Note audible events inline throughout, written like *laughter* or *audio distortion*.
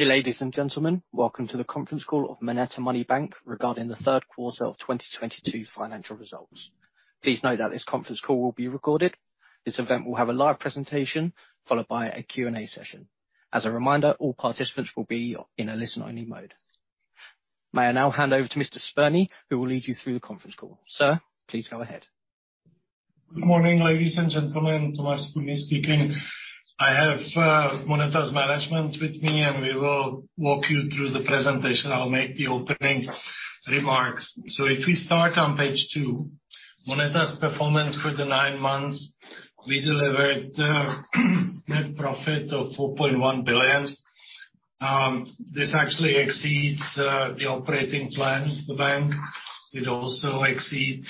Ladies and gentlemen, welcome to the conference call of MONETA Money Bank regarding the third quarter of 2022 financial results. Please note that this conference call will be recorded. This event will have a live presentation followed by a Q&A session. As a reminder, all participants will be in a listen-only mode. May I now hand over to Mr. Spurný, who will lead you through the conference call. Sir, please go ahead. Good morning, ladies and gentlemen, Tomáš Spurný speaking. I have MONETA's management with me, and we will walk you through the presentation. I'll make the opening remarks. If we start on page two, MONETA's performance for the nine months, we delivered Net Profit of 4.1 billion. This actually exceeds the operating plan of the bank. It also exceeds,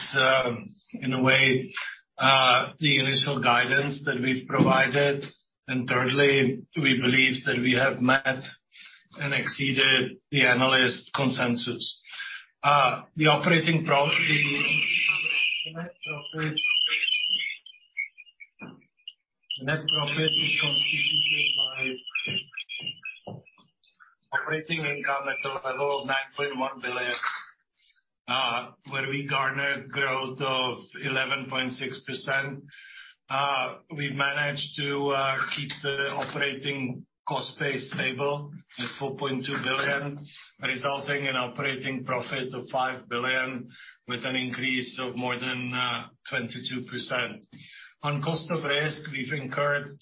in a way, the initial guidance that we've provided. Thirdly, we believe that we have met and exceeded the analyst consensus. The Net Profit is constituted by operating income at a level of CZK 9.1 billion, where we garnered growth of 11.6%. We managed to keep the operating cost base stable at 4.2 billion, resulting in operating profit of 5 billion with an increase of more than 22%. On cost of risk, we've incurred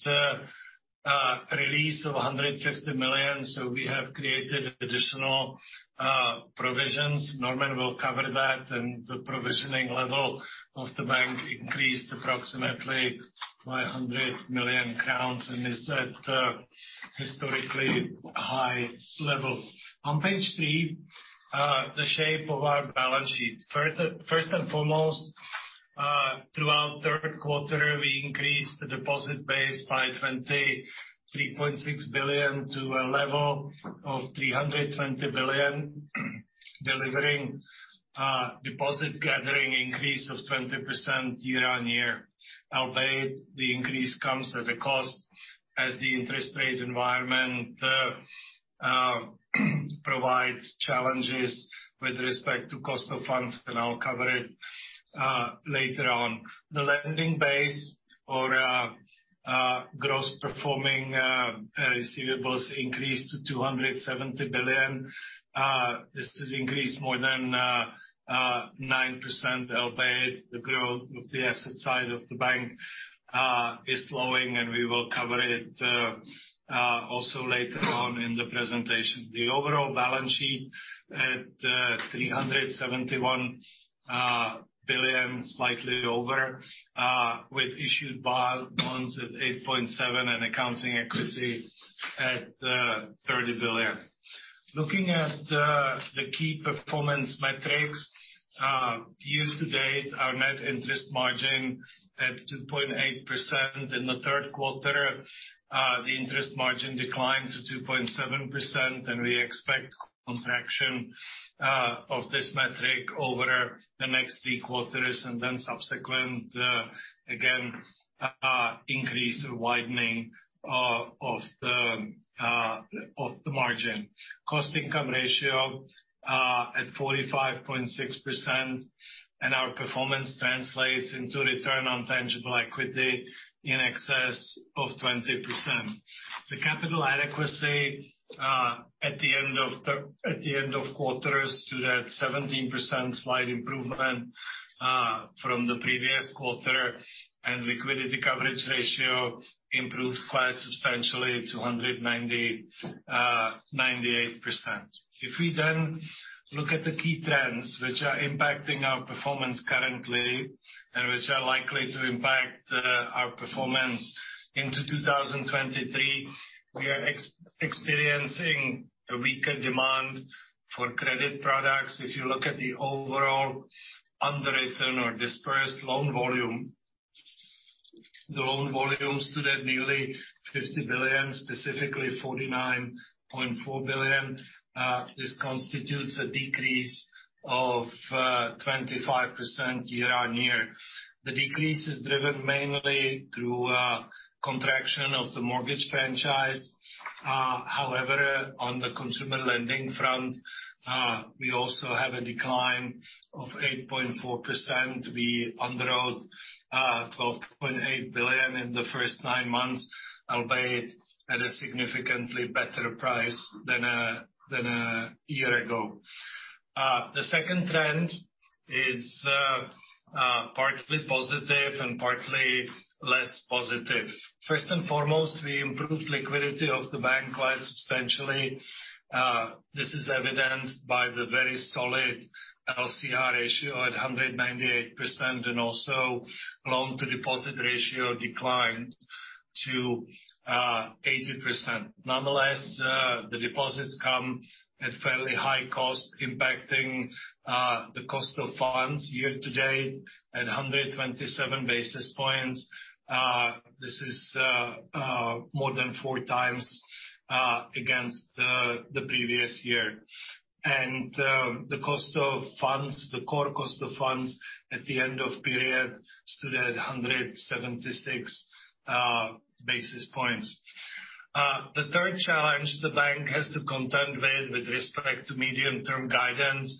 a release of 150 million, so we have created additional provisions. Norman will cover that. The provisioning level of the bank increased approximately 100 million crowns and is at a historically high level. On page three, the shape of our balance sheet. First and foremost, throughout third quarter, we increased the deposit base by 23.6 billion to a level of 320 billion, delivering deposit gathering increase of 20% year-over-year. Albeit, the increase comes at a cost as the interest rate environment provides challenges with respect to cost of funds, and I'll cover it later on. The lending base or gross performing receivables increased to 270 billion. This has increased more than 9%, albeit the growth of the asset side of the bank is slowing, and we will cover it also later on in the presentation. The overall balance sheet at 371 billion, slightly over, with issued bonds at 8.7 billion and accounting equity at 30 billion. Looking at the key performance metrics, year to date, our net interest margin at 2.8%. In the third quarter, the interest margin declined to 2.7%, and we expect contraction of this metric over the next three quarters and then subsequent again increase widening of the margin. Cost to Income Ratio at 45.6%, and our performance translates into Return on Tangible Equity in excess of 20%. The capital adequacy at the end of quarter stood at 17%, slight improvement from the previous quarter, and Liquidity Coverage Ratio improved quite substantially to 198%. If we then look at the key trends which are impacting our performance currently and which are likely to impact our performance into 2023, we are experiencing a weaker demand for credit products. If you look at the overall underwritten or dispersed loan volume, the loan volume stood at nearly 50 billion, specifically 49.4 billion. This constitutes a decrease of 25% year-on-year. The decrease is driven mainly through contraction of the mortgage franchise. However, on the consumer lending front, we also have a decline of 8.4%. We underwrote 12.8 billion in the first nine months, albeit at a significantly better price than a year ago. The second trend is partly positive and partly less positive. First and foremost, we improved liquidity of the bank quite substantially. This is evidenced by the very solid LCR ratio at 198%, and also loan-to-deposit ratio declined to 80%. Nonetheless, the deposits come at fairly high cost, impacting the cost of funds year to date at 127 basis points. This is more than four times against the previous year. The cost of funds, the Core Cost of Funds at the end of period stood at 176 basis points. The third challenge the bank has to contend with respect to medium-term guidance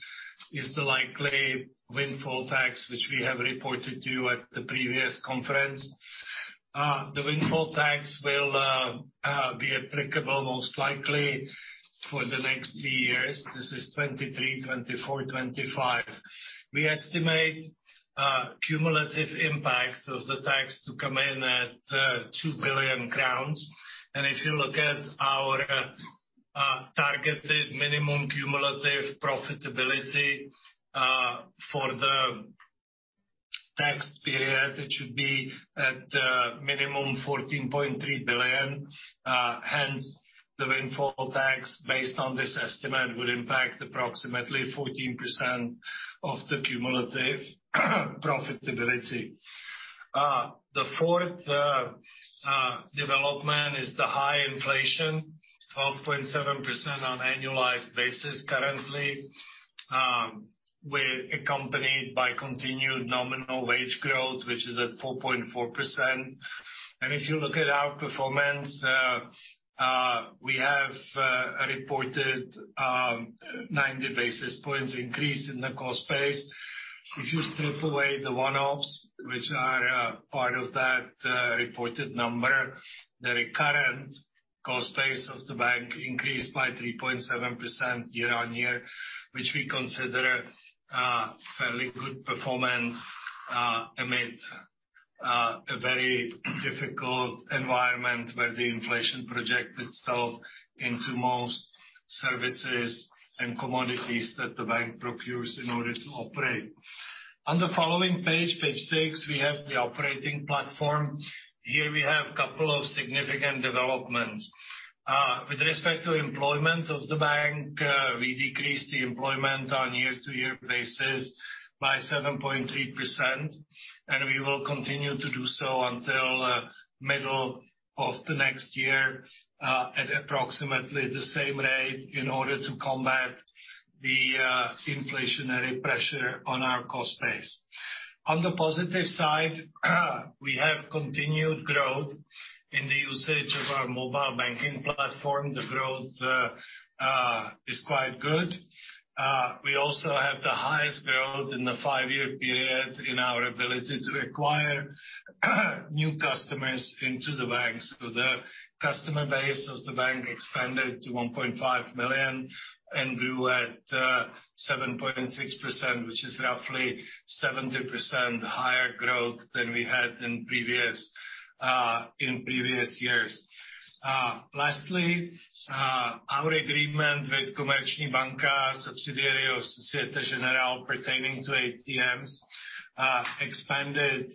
is the likely windfall tax, which we have reported to you at the previous conference. The windfall tax will be applicable most likely for the next three years. This is 2023, 2024, 2025. We estimate cumulative impact of the tax to come in at 2 billion crowns. If you look at our targeted minimum cumulative profitability for the tax period, it should be at minimum 14.3 billion. Hence, the windfall tax based on this estimate would impact approximately 14% of the cumulative profitability. The fourth development is the high inflation, 12.7% on annualized basis currently, with accompanied by continued nominal wage growth, which is at 4.4%. If you look at our performance, we have reported 90 basis points increase in the cost base. If you strip away the one-offs, which are part of that reported number, the recurrent cost base of the bank increased by 3.7% year-on-year, which we consider fairly good performance amid a very difficult environment where the inflation projected itself into most services and commodities that the bank procures in order to operate. On the following page six, we have the operating platform. Here we have couple of significant developments. With respect to employment of the bank, we decreased the employment on year-to-year basis by 7.3%, and we will continue to do so until middle of the next year at approximately the same rate in order to combat the inflationary pressure on our cost base. On the positive side, we have continued growth in the usage of our mobile banking platform. The growth is quite good. We also have the highest growth in the five-year period in our ability to acquire new customers into the bank. The customer base of the bank expanded to 1.5 million, and grew at 7.6%, which is roughly 70% higher growth than we had in previous years. Lastly, our agreement with Komerční Banka, a subsidiary of Société Générale pertaining to ATMs, expanded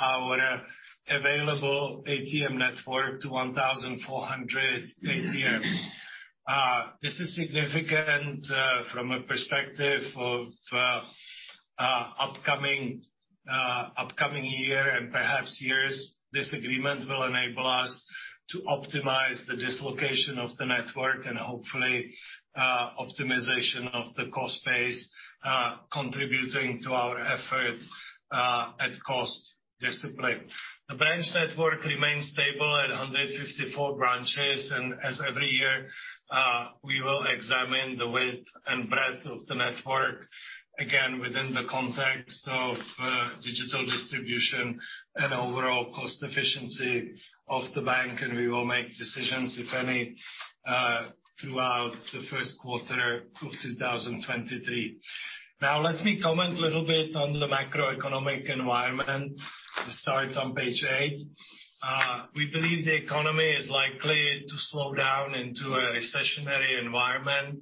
our available ATM network to 1,400 ATMs. This is significant from a perspective of upcoming year and perhaps years. This agreement will enable us to optimize the location of the network and hopefully optimization of the cost base, contributing to our effort at cost discipline. The bank's network remains stable at 154 branches, and as every year, we will examine the width and breadth of the network, again, within the context of Digital Distribution and overall cost efficiency of the bank, and we will make decisions, if any, throughout the first quarter of 2023. Now, let me comment a little bit on the macroeconomic environment. It starts on page 8. We believe the economy is likely to slow down into a recessionary environment.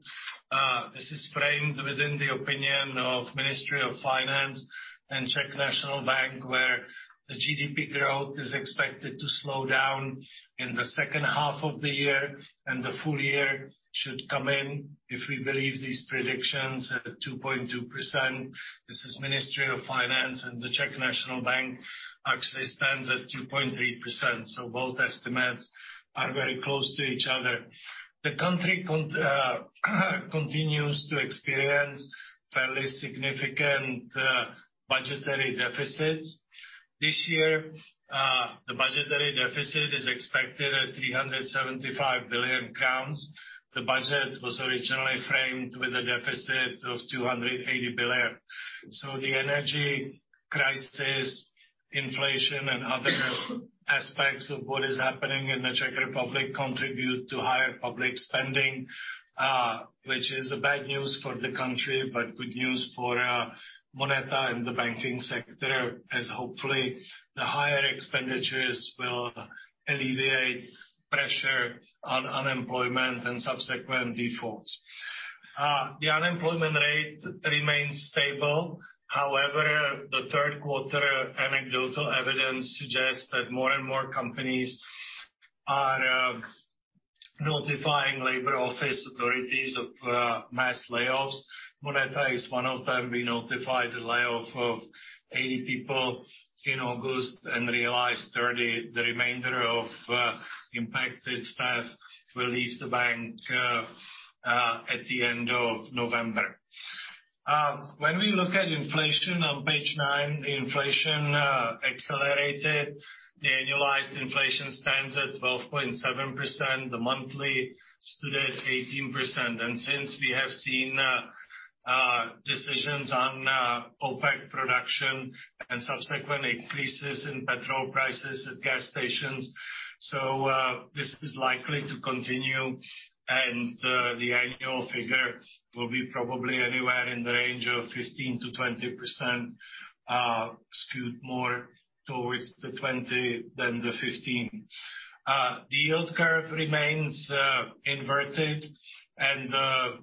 This is framed within the opinion of Ministry of Finance and Czech National Bank, where the GDP growth is expected to slow down in the second half of the year, and the full year should come in, if we believe these predictions, at 2.2%. This is Ministry of Finance, and the Czech National Bank actually stands at 2.3%. Both estimates are very close to each other. The country continues to experience fairly significant budgetary deficits. This year the budgetary deficit is expected at 375 billion crowns. The budget was originally framed with a deficit of 280 billion. The energy crisis, inflation, and other aspects of what is happening in the Czech Republic contribute to higher public spending, which is a bad news for the country, but good news for MONETA and the banking sector, as hopefully the higher expenditures will alleviate pressure on unemployment and subsequent defaults. The unemployment rate remains stable. However, the third quarter anecdotal evidence suggests that more and more companies are notifying labor office authorities of mass layoffs. MONETA is one of them. We notified the layoff of 80 people in August and realized 30, the remainder of impacted staff will leave the bank at the end of November. When we look at inflation on page nine, the inflation accelerated. The annualized inflation stands at 12.7%. The monthly stood at 18%. Since we have seen decisions on OPEC production and subsequent increases in petrol prices at gas stations. This is likely to continue, and the annual figure will be probably anywhere in the range of 15%-20%, skewed more towards the 20 than the 15. The yield curve remains inverted, and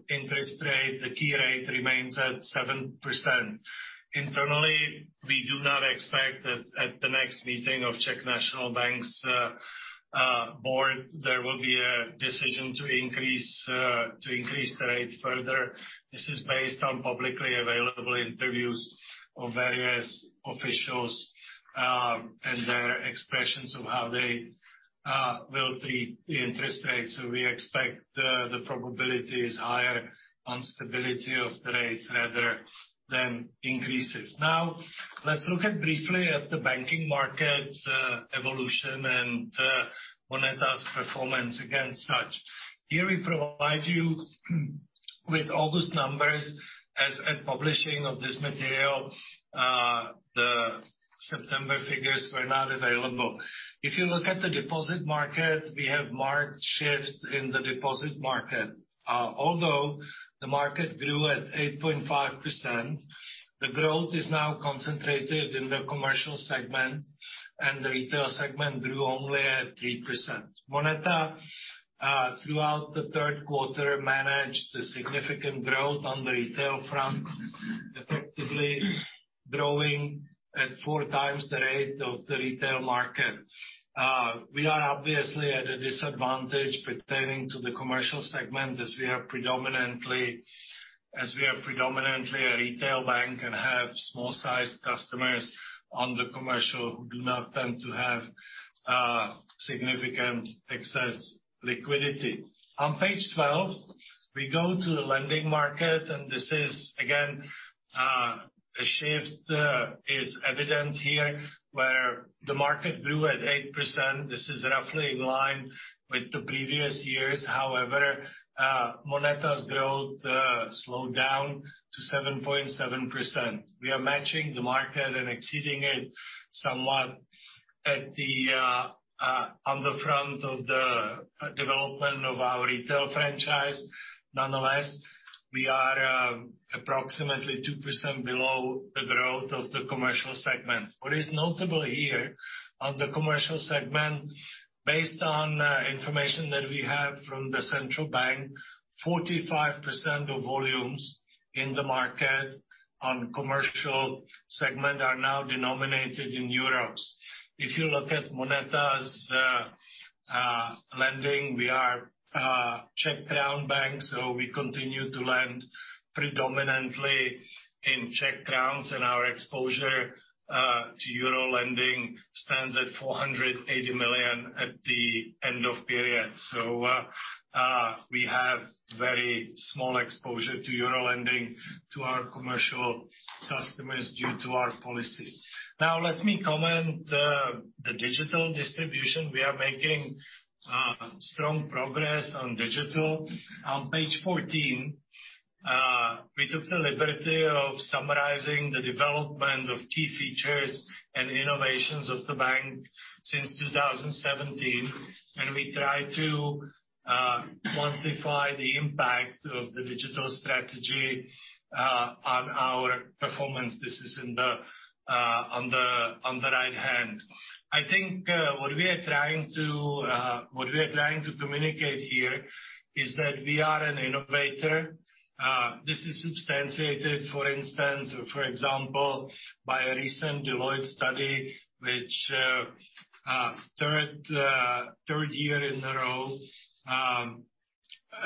interest rate, the key rate remains at 7%. Internally, we do not expect that at the next meeting of Czech National Bank's board, there will be a decision to increase the rate further. This is based on publicly available interviews of various officials, and their expressions of how they will treat the interest rates. We expect the probability is higher on stability of the rates rather than increases. Now, let's look briefly at the banking market evolution and MONETA's performance against such. Here we provide you with August numbers. As at publishing of this material, the September figures were not available. If you look at the Deposit Market, we have marked shifts in the Deposit Market. Although the market grew at 8.5%, the growth is now concentrated in the commercial segment, and the retail segment grew only at 3%. MONETA, throughout the third quarter, managed a significant growth on the retail front, effectively growing at four times the rate of the retail market. We are obviously at a disadvantage pertaining to the commercial segment as we are predominantly a retail bank and have small-sized customers on the commercial who do not tend to have significant excess liquidity. On page 12, we go to the lending market, and this is again a shift is evident here, where the market grew at 8%. This is roughly in line with the previous years. However, MONETA's growth slowed down to 7.7%. We are matching the market and exceeding it somewhat on the front of the development of our retail franchise. Nonetheless, we are approximately 2% below the growth of the commercial segment. What is notable here on the commercial segment, based on information that we have from the central bank, 45% of volumes in the market on commercial segment are now denominated in euros. If you look at MONETA's lending, we are a Czech crown bank, so we continue to lend predominantly in Czech crowns, and our exposure to euro lending stands at 480 million at the end of period. We have very small exposure to euro lending to our commercial customers due to our policy. Now let me comment the Digital Distribution. We are making strong progress on digital. On page 14, we took the liberty of summarizing the development of key features and innovations of the bank since 2017, and we try to quantify the impact of the digital strategy on our performance. This is on the right hand. I think what we are trying to communicate here is that we are an innovator. This is substantiated, for example, by a recent Deloitte study, which, third year in a row,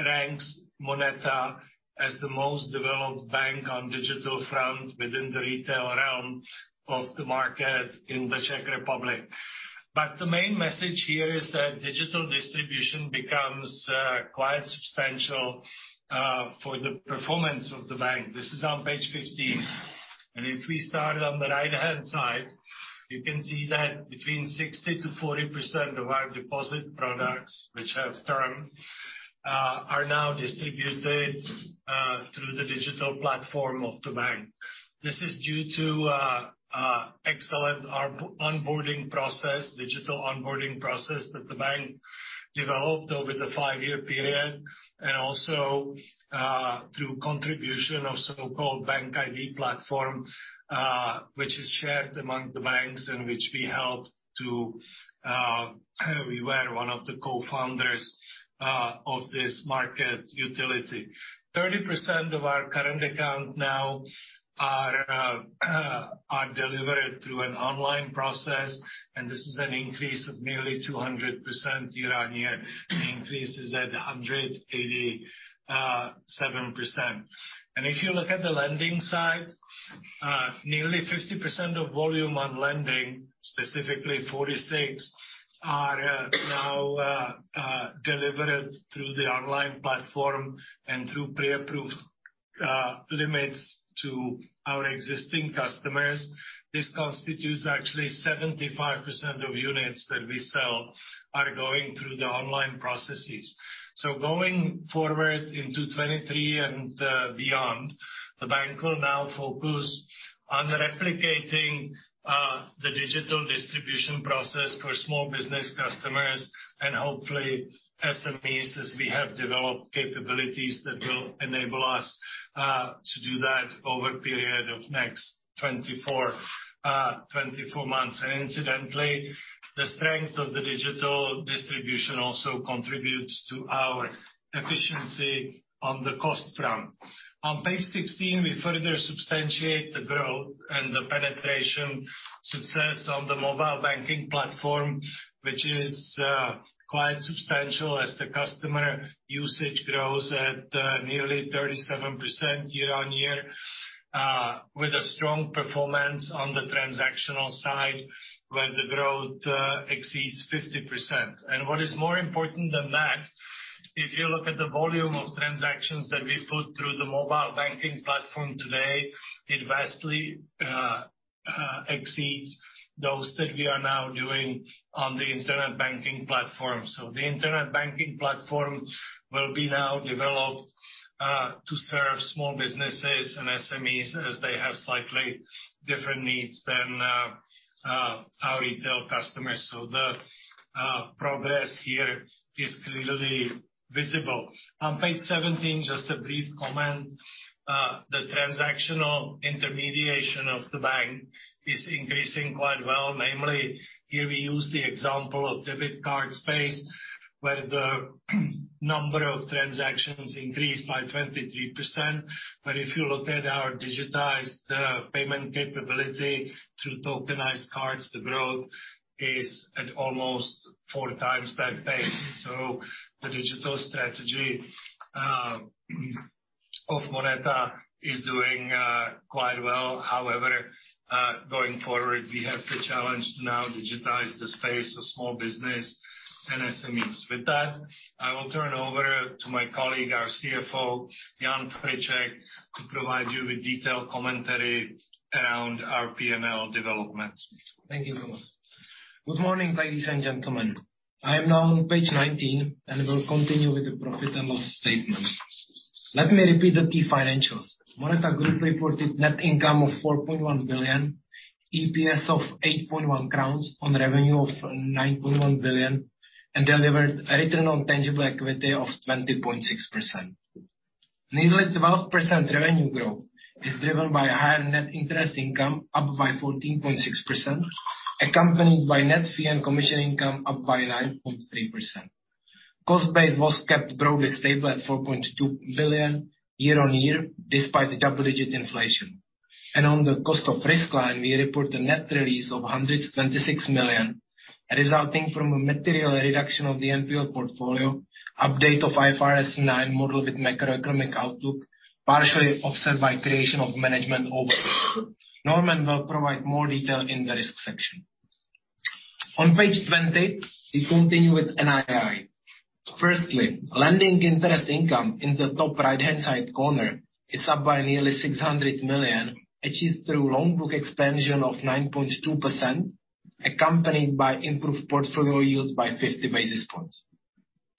ranks MONETA as the most developed bank on digital front within the retail realm of the market in the Czech Republic. The main message here is that Digital Distribution becomes quite substantial for the performance of the bank. This is on page 15. If we start on the right-hand side, you can see that between 60%-40% of our deposit products which have term are now distributed through the digital platform of the bank. This is due to excellent onboarding process, digital onboarding process, that the bank developed over the five-year period, and also through contribution of so-called BankID platform, which is shared among the banks and which we helped to, we were one of the cofounders of this market utility. 30% of our current account now are delivered through an online process, and this is an increase of nearly 200% year-on-year. The increase is at 187%. If you look at the lending side, nearly 50% of volume on lending, specifically 46%, are now delivered through the online platform and through pre-approved limits to our existing customers. This constitutes actually 75% of units that we sell are going through the online processes. Going forward into 2023 and beyond, the bank will now focus on replicating the Digital Distribution process for small business customers and hopefully SMEs, as we have developed capabilities that will enable us to do that over a period of next 24 months. Incidentally, the strength of the Digital Distribution also contributes to our efficiency on the cost front. On page 16, we further substantiate the growth and the penetration success on the mobile banking platform, which is quite substantial as the customer usage grows at nearly 37% year-on-year with a strong performance on the transactional side, where the growth exceeds 50%. What is more important than that, if you look at the volume of transactions that we put through the mobile banking platform today, it vastly exceeds those that we are now doing on the internet banking platform. The internet banking platform will be now developed to serve small businesses and SMEs as they have slightly different needs than our retail customers. The progress here is clearly visible. On page 17, just a brief comment. The transactional intermediation of the bank is increasing quite well. Namely, here we use the example of debit card space, where the number of transactions increased by 23%. If you look at our digitized payment capability through tokenized cards, the growth is at almost four times that pace. The digital strategy of MONETA is doing quite well. However, going forward, we have the challenge to now digitize the space of small business and SMEs. With that, I will turn over to my colleague, our CFO, Jan Friček, to provide you with detailed commentary around our P&L developments. Thank you so much. Good morning, ladies and gentlemen. I am now on page 19, and will continue with the Profit and Loss statement. Let me repeat the key financials. MONETA Group reported net income of 4.1 billion, EPS of 8.1 crowns on revenue of 9.1 billion, and delivered a Return on Tangible Equity of 20.6%. Nearly 12% revenue growth is driven by higher net interest income, up by 14.6%, accompanied by net fee and commission income up by 9.3%. Cost base was kept broadly stable at 4.2 billion year-on-year, despite the double-digit inflation. On the cost of risk line, we report a net release of 126 million, resulting from a material reduction of the NPL portfolio, update of IFRS 9 model with macroeconomic outlook, partially offset by creation of management overlay. Norman will provide more detail in the risk section. On page 20, we continue with NII. Firstly, lending interest income in the top right-hand side corner is up by nearly 600 million, achieved through loan book expansion of 9.2%, accompanied by improved portfolio yield by 50 basis points.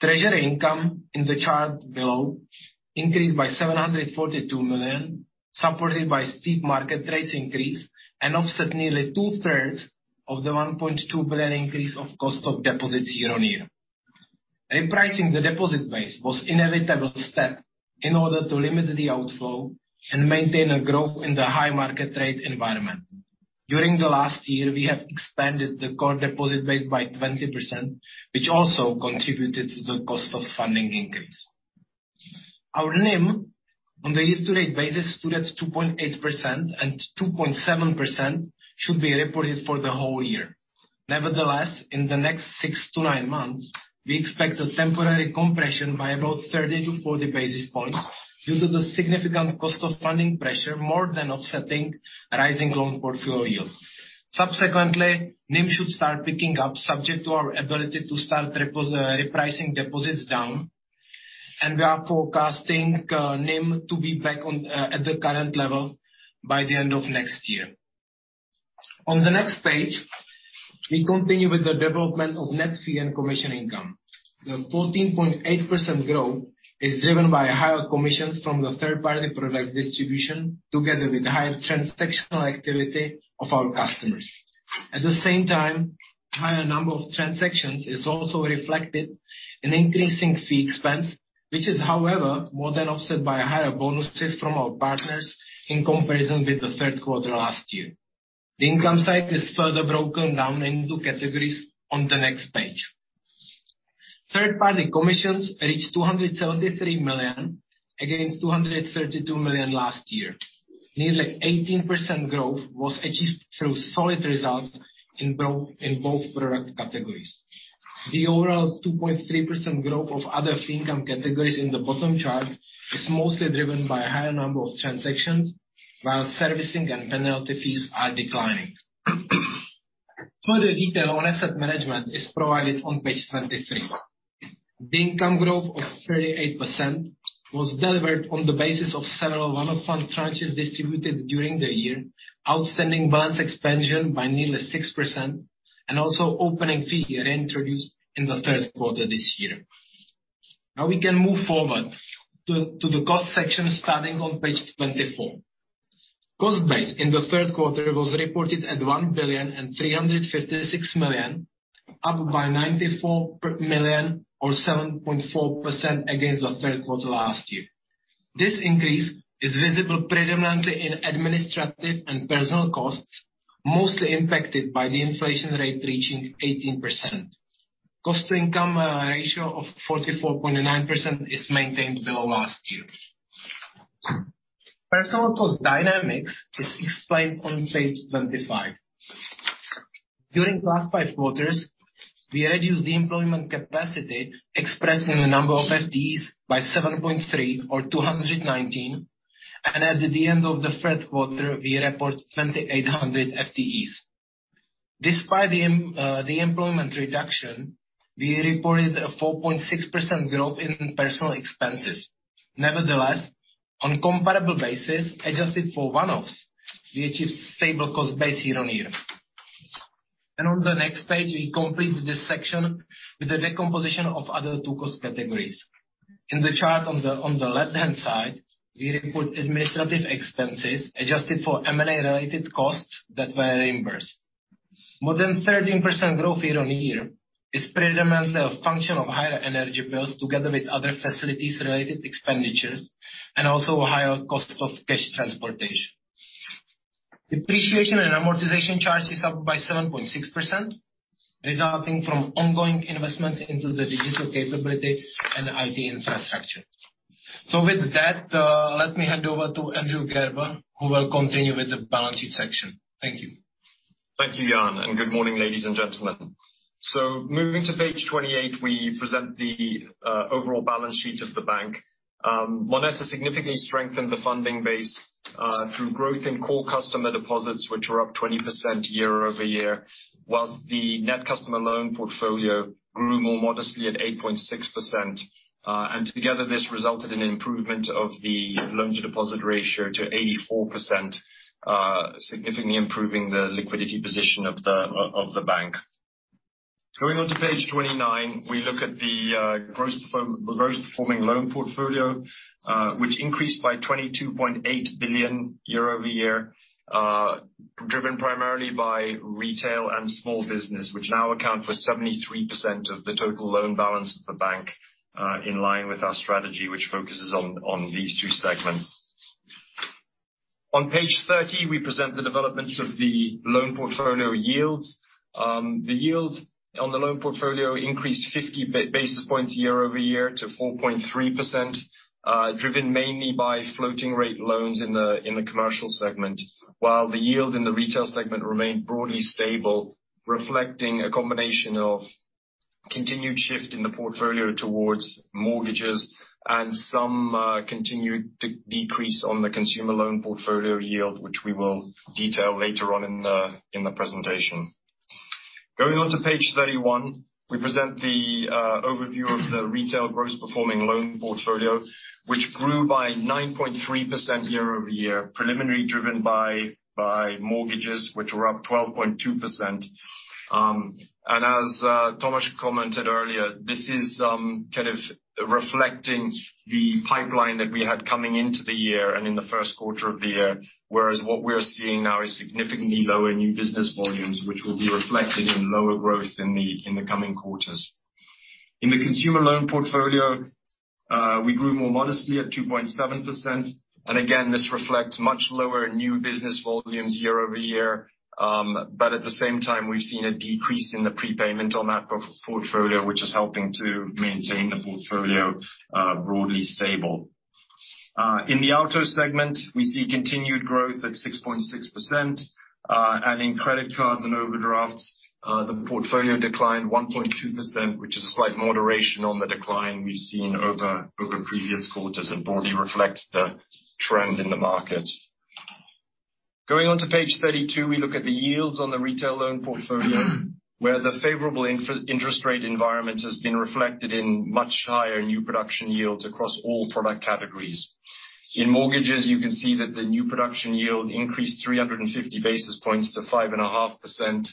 Treasury income in the chart below increased by 742 million, supported by steep market rates increase and offset nearly two-thirds of the 1.2 billion increase of cost of deposits year-on-year. Repricing the deposit base was inevitable step in order to limit the outflow and maintain a growth in the high market rate environment. During the last year, we have expanded the core deposit base by 20%, which also contributed to the cost of funding increase. Our NIM on the year-to-date basis stood at 2.8%, and 2.7% should be reported for the whole year. Nevertheless, in the next six to nine months, we expect a temporary compression by about 30-40 basis points due to the significant cost of funding pressure more than offsetting rising loan portfolio yield. Subsequently, NIM should start picking up subject to our ability to start repricing deposits down, and we are forecasting NIM to be back on at the current level by the end of next year. On the next page, we continue with the development of net fee and commission income. The 14.8% growth is driven by higher commissions from the third-party product distribution together with higher transactional activity of our customers. At the same time, higher number of transactions is also reflected in increasing fee expense, which is, however, more than offset by higher bonuses from our partners in comparison with the third quarter last year. The income side is further broken down into categories on the next page. Third-party commissions reached 273 million against 232 million last year. Nearly 18% growth was achieved through solid results in both product categories. The overall 2.3% growth of other fee income categories in the bottom chart is mostly driven by a higher number of transactions, while servicing and penalty fees are declining. Further detail on Asset Management is provided on page 23. The income growth of 38% was delivered on the basis of several one-off fund tranches distributed during the year, outstanding balance expansion by nearly 6%, and also opening fee reintroduced in the third quarter this year. Now we can move forward to the cost section starting on page 24. Cost base in the third quarter was reported at 1,356 million, up by 94 million or 7.4% against the third quarter last year. This increase is visible predominantly in administrative and personal costs, mostly impacted by the inflation rate reaching 18%. Cost to Income Ratio of 44.9% is maintained below last year. Personnel cost dynamics is explained on page 25. During the last five quarters, we reduced the employment capacity expressed in the number of FTEs by 7.3 or 219. At the end of the third quarter, we report 2,800 FTEs. Despite the employment reduction, we reported a 4.6% growth in personnel expenses. Nevertheless, on comparable basis, adjusted for one-offs, we achieved stable cost base year-on-year. On the next page we complete this section with the decomposition of other two cost categories. In the chart on the left-hand side, we report administrative expenses adjusted for M&A related costs that were reimbursed. More than 13% growth year-on-year is predominantly a function of higher energy bills together with other facilities related expenditures and also higher cost of cash transportation. Depreciation and amortization charges up by 7.6%, resulting from ongoing investments into the digital capability and IT infrastructure. With that, let me hand over to Andrew Gerber, who will continue with the balance sheet section. Thank you. Thank you, Jan, and good morning, ladies and gentlemen. Moving to page 28, we present the overall balance sheet of the bank. MONETA significantly strengthened the Funding Base through growth in core customer deposits, which were up 20% year-over-year, while the net customer loan portfolio grew more modestly at 8.6%. Together, this resulted in improvement of the loan-to-deposit ratio to 84%, significantly improving the liquidity position of the bank. Going on to page 29, we look at the gross performing loan portfolio, which increased by CZK 22.8 billion year-over-year, driven primarily by retail and small business, which now account for 73% of the total loan balance of the bank, in line with our strategy, which focuses on these two segments. On page 30, we present the developments of the loan portfolio yields. The yield on the loan portfolio increased 50 basis points year-over-year to 4.3%, driven mainly by floating rate loans in the commercial segment. While the yield in the retail segment remained broadly stable, reflecting a combination of continued shift in the portfolio towards mortgages and some continued decrease on the consumer loan portfolio yield, which we will detail later on in the presentation. Going on to page 31, we present the overview of the retail gross performing loan portfolio, which grew by 9.3% year-over-year, primarily driven by mortgages, which were up 12.2%. As Thomas commented earlier, this is kind of reflecting the pipeline that we had coming into the year and in the first quarter of the year. Whereas what we're seeing now is significantly lower new business volumes, which will be reflected in lower growth in the coming quarters. In the consumer loan portfolio, we grew more modestly at 2.7%. Again, this reflects much lower new business volumes year-over-year. At the same time, we've seen a decrease in the prepayment on that portfolio, which is helping to maintain the portfolio broadly stable. In the auto segment, we see continued growth at 6.6%. In credit cards and overdrafts, the portfolio declined 1.2%, which is a slight moderation on the decline we've seen over previous quarters and broadly reflects the trend in the market. Going on to page 32, we look at the yields on the retail loan portfolio, where the favorable interest rate environment has been reflected in much higher new production yields across all product categories. In mortgages, you can see that the new production yield increased 350 basis points to 5.5%,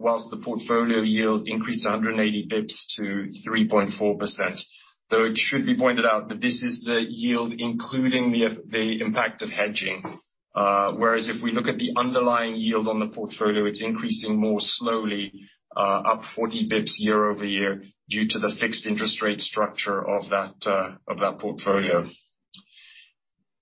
while the portfolio yield increased 180 basis points to 3.4%. Though it should be pointed out that this is the yield including the impact of hedging. Whereas if we look at the underlying yield on the portfolio, it's increasing more slowly, up 40 basis points year-over-year due to the fixed interest rate structure of that portfolio.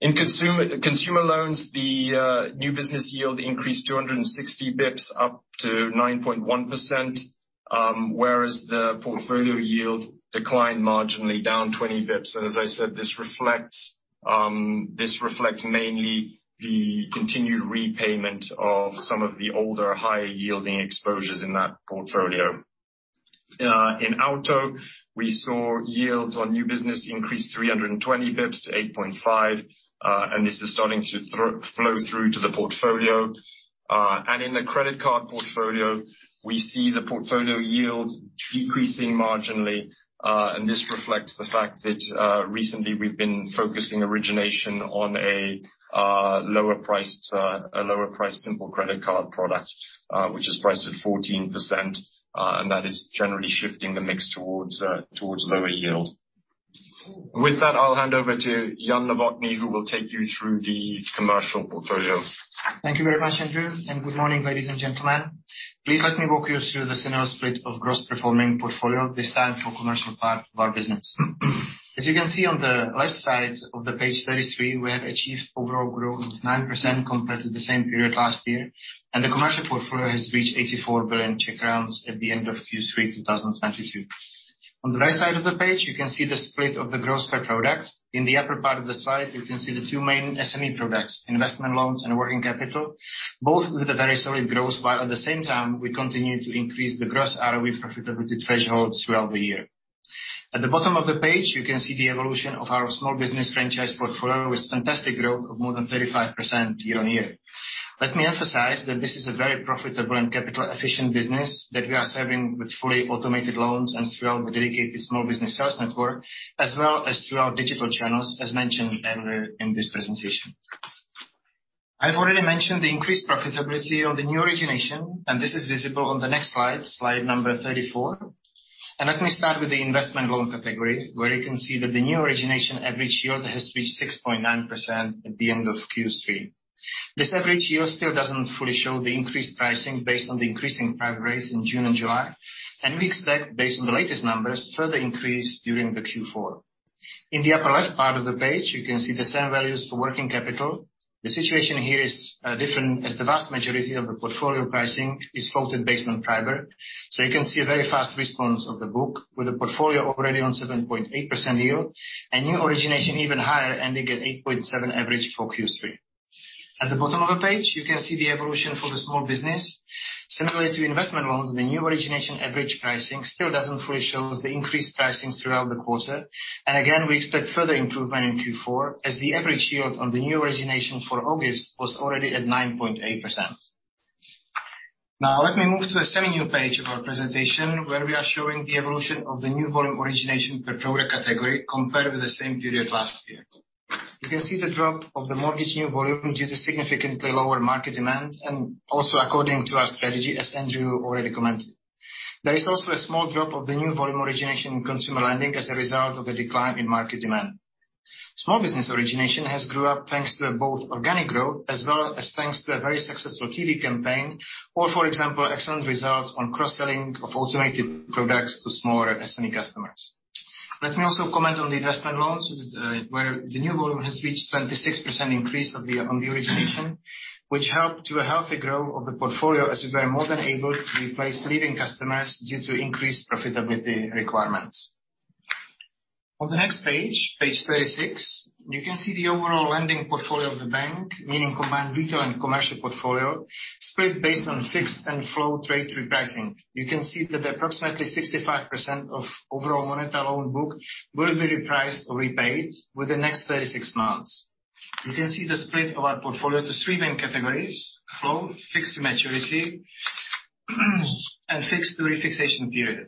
In Consumer Loans, the new business yield increased 260 basis points up to 9.1%, whereas the portfolio yield declined marginally down 20 basis points. As I said, this reflects mainly the continued repayment of some of the older high-yielding exposures in that portfolio. In auto, we saw yields on new business increase 320 basis points to 8.5%, and this is starting to flow through to the portfolio. In the credit card portfolio, we see the portfolio yields decreasing marginally, and this reflects the fact that recently we've been focusing origination on a lower priced simple credit card product, which is priced at 14%, and that is generally shifting the mix towards lower yield. With that, I'll hand over to Jan Novotný, who will take you through the commercial portfolio. Thank you very much, Andrew, and good morning, ladies and gentlemen. Please let me walk you through the scenario split of gross performing portfolio, this time for commercial part of our business. As you can see on the left side of the page 33, we have achieved overall growth of 9% compared to the same period last year, and the commercial portfolio has reached 84 billion at the end of Q3 2022. On the right side of the page, you can see the split of the gross per product. In the upper part of the slide, you can see the two main SME products, investment loans and working capital, both with a very solid growth, while at the same time, we continue to increase the gross ROE profitability thresholds throughout the year. At the bottom of the page, you can see the evolution of our small business franchise portfolio with fantastic growth of more than 35% year-on-year. Let me emphasize that this is a very profitable and capital efficient business that we are serving with fully automated loans and throughout the dedicated small business sales network, as well as through our digital channels, as mentioned earlier in this presentation. I've already mentioned the increased profitability on the new origination, and this is visible on the next slide number 34. Let me start with the investment loan category, where you can see that the new origination average yield has reached 6.9 at the end of Q3. This average yield still doesn't fully show the increased pricing based on the increasing PRIBOR rates in June and July, and we expect, based on the latest numbers, further increase during the Q4. In the upper left part of the page, you can see the same values for working capital. The situation here is different, as the vast majority of the portfolio pricing is quoted based on PRIBOR. So you can see a very fast response of the book with a portfolio already on 7.8% yield and new origination even higher, ending at 8.7 average for Q3. At the bottom of the page, you can see the evolution for the small business. Similar to investment loans, the new origination average pricing still doesn't fully show the increased pricings throughout the quarter. Again, we expect further improvement in Q4 as the average yield on the new origination for August was already at 9.8%. Now let me move to the semi-new page of our presentation, where we are showing the evolution of the new volume origination per product category compared with the same period last year. You can see the drop of the mortgage new volume due to significantly lower market demand and also according to our strategy, as Andrew already commented. There is also a small drop of the new volume origination in consumer lending as a result of a decline in market demand. Small business origination has grown thanks to both organic growth as well as thanks to a very successful TV campaign or, for example, excellent results on cross-selling of automated products to smaller SME customers. Let me also comment on the investment loans, where the new volume has reached 26% increase of the, on the origination, which helped to a healthy growth of the portfolio as we were more than able to replace leaving customers due to increased profitability requirements. On the next page 36, you can see the overall lending portfolio of the bank, meaning combined retail and commercial portfolio, split based on fixed and float rate repricing. You can see that approximately 65% of overall MONETA loan book will be repriced or repaid within the next 36 months. You can see the split of our portfolio to three main categories, float, fixed to maturity, and fixed to refixation period.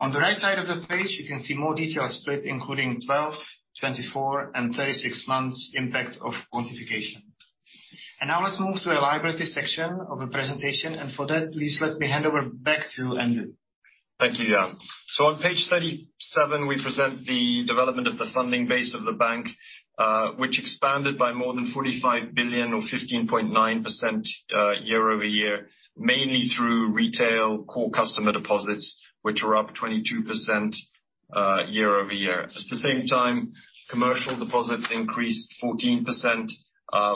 On the right side of the page, you can see more detailed split, including 12, 24, and 36 months impact of quantification. Now let's move to a liability section of the presentation, and for that, please let me hand over back to Andrew. Thank you, Jan. On page 37, we present the development of the Funding Base of the bank, which expanded by more than 45 billion or 15.9%, year-over-year, mainly through retail core customer deposits, which were up 22%, year-over-year. At the same time, commercial deposits increased 14%,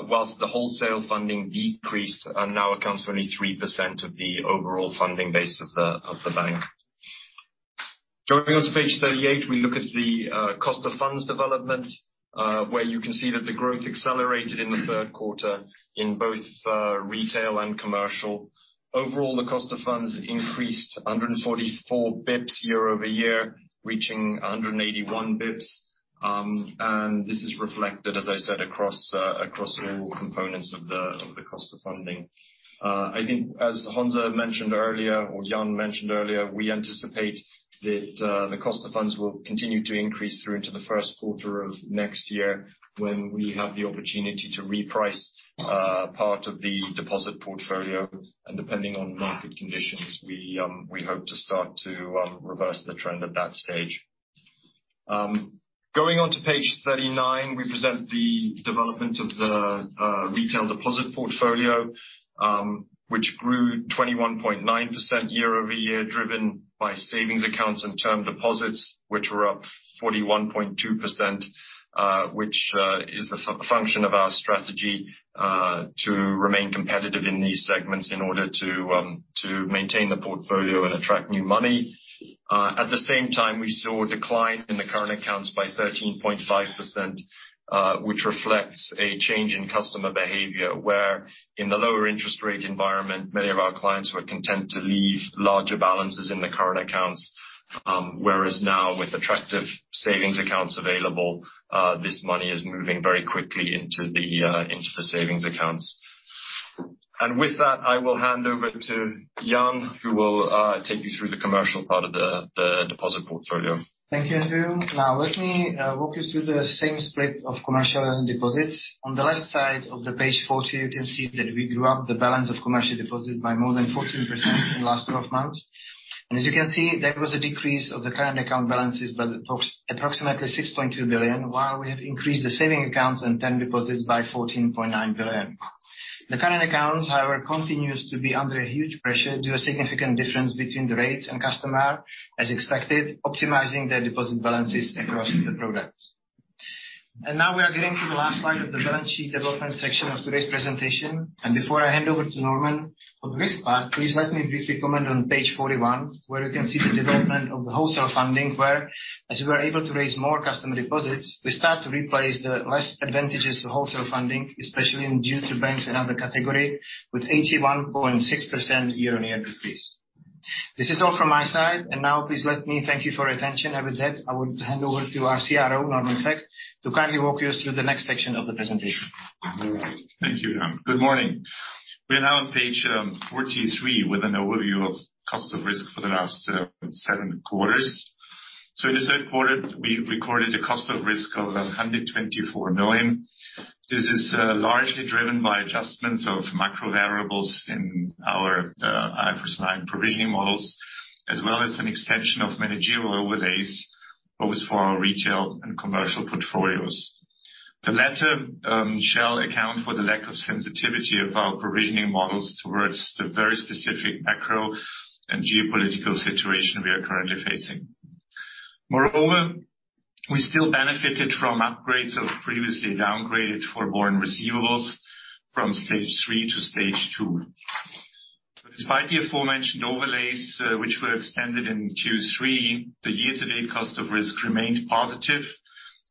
while the wholesale funding decreased and now accounts for only 3% of the overall Funding Base of the bank. Going on to page 38, we look at the cost of funds development, where you can see that the growth accelerated in the third quarter in both retail and commercial. Overall, the cost of funds increased 144 basis points year-over-year, reaching 181 basis points. This is reflected, as I said, across all components of the cost of funding. I think as Honza mentioned earlier, or Jan mentioned earlier, we anticipate that the cost of funds will continue to increase through into the first quarter of next year when we have the opportunity to reprice part of the deposit portfolio. Depending on market conditions, we hope to start to reverse the trend at that stage. Going on to page 39, we present the development of the retail deposit portfolio, which grew 21.9% year-over-year, driven by savings accounts and term deposits, which were up 41.2%, which is the function of our strategy to remain competitive in these segments in order to maintain the portfolio and attract new money. At the same time, we saw a decline in the current accounts by 13.5%, which reflects a change in customer behavior, where in the lower interest rate environment, many of our clients were content to leave larger balances in the current accounts. Whereas now with attractive savings accounts available, this money is moving very quickly into the savings accounts. With that, I will hand over to Jan, who will take you through the commercial part of the deposit portfolio. Thank you, Andrew. Now let me walk you through the same split of commercial deposits. On the left side of the page 40, you can see that we grew up the balance of commercial deposits by more than 14% in the last 12 months. As you can see, there was a decrease of the current account balances by approximately 6.2 billion, while we have increased the saving accounts and term deposits by 14.9 billion. The current accounts, however, continues to be under huge pressure due to significant difference between the rates and customer, as expected, optimizing their deposit balances across the products. Now we are getting to the last slide of the balance sheet development section of today's presentation. Before I hand over to Normann, on this part please let me briefly comment on page 41, where you can see the development of the wholesale funding, whereas we were able to raise more customer deposits, we start to replace the less advantageous wholesale funding, especially interbank and other category, with 81.6% year-on-year decrease. This is all from my side. Now please let me thank you for your attention. With that, I would hand over to our CRO, Normann Vökt, to kindly walk you through the next section of the presentation. Thank you, Jan. Good morning. We are now on page 43 with an overview of cost of risk for the last seven quarters. In the third quarter, we recorded a cost of risk of 124 million. This is largely driven by adjustments of macro variables in our IFRS 9 provisioning models, as well as an extension of management overlays, both for our retail and commercial portfolios. The latter shall account for the lack of sensitivity of our provisioning models towards the very specific macro and geopolitical situation we are currently facing. Moreover, we still benefited from upgrades of previously downgraded foreign receivables from Stage 3 to Stage 2. Despite the aforementioned overlays, which were extended in Q3, the year-to-date cost of risk remained positive,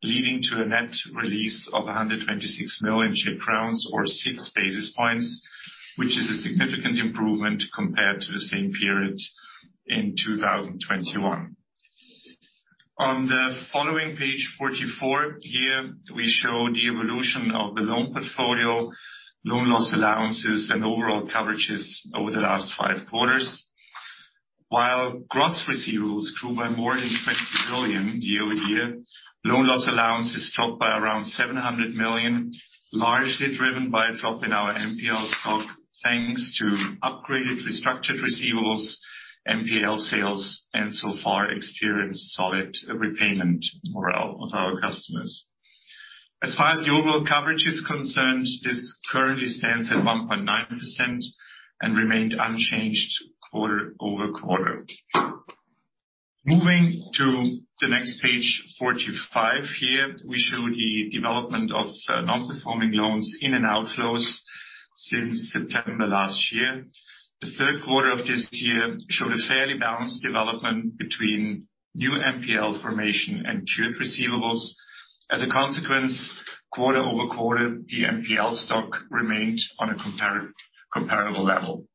leading to a net release of 126 million Czech crowns or six basis points, which is a significant improvement compared to the same period in 2021. On the following page 44, here we show the evolution of the loan portfolio, loan loss allowances, and overall coverages over the last five quarters. While gross receivables grew by more than 20 billion year-over-year, loan loss allowances dropped by around 700 million, largely driven by a drop in our NPL stock, thanks to upgraded restructured receivables, NPL sales, and so far experienced solid repayment more out with our customers. As far as the overall coverage is concerned, this currently stands at 1.9% and remained unchanged quarter-over-quarter. Moving to the next page, 45 here, we show the development of non-performing loans in and outflows since September last year. The third quarter of this year showed a fairly balanced development between new NPL formation and cured receivables. As a consequence, quarter-over-quarter, the NPL stock remained on a comparable level.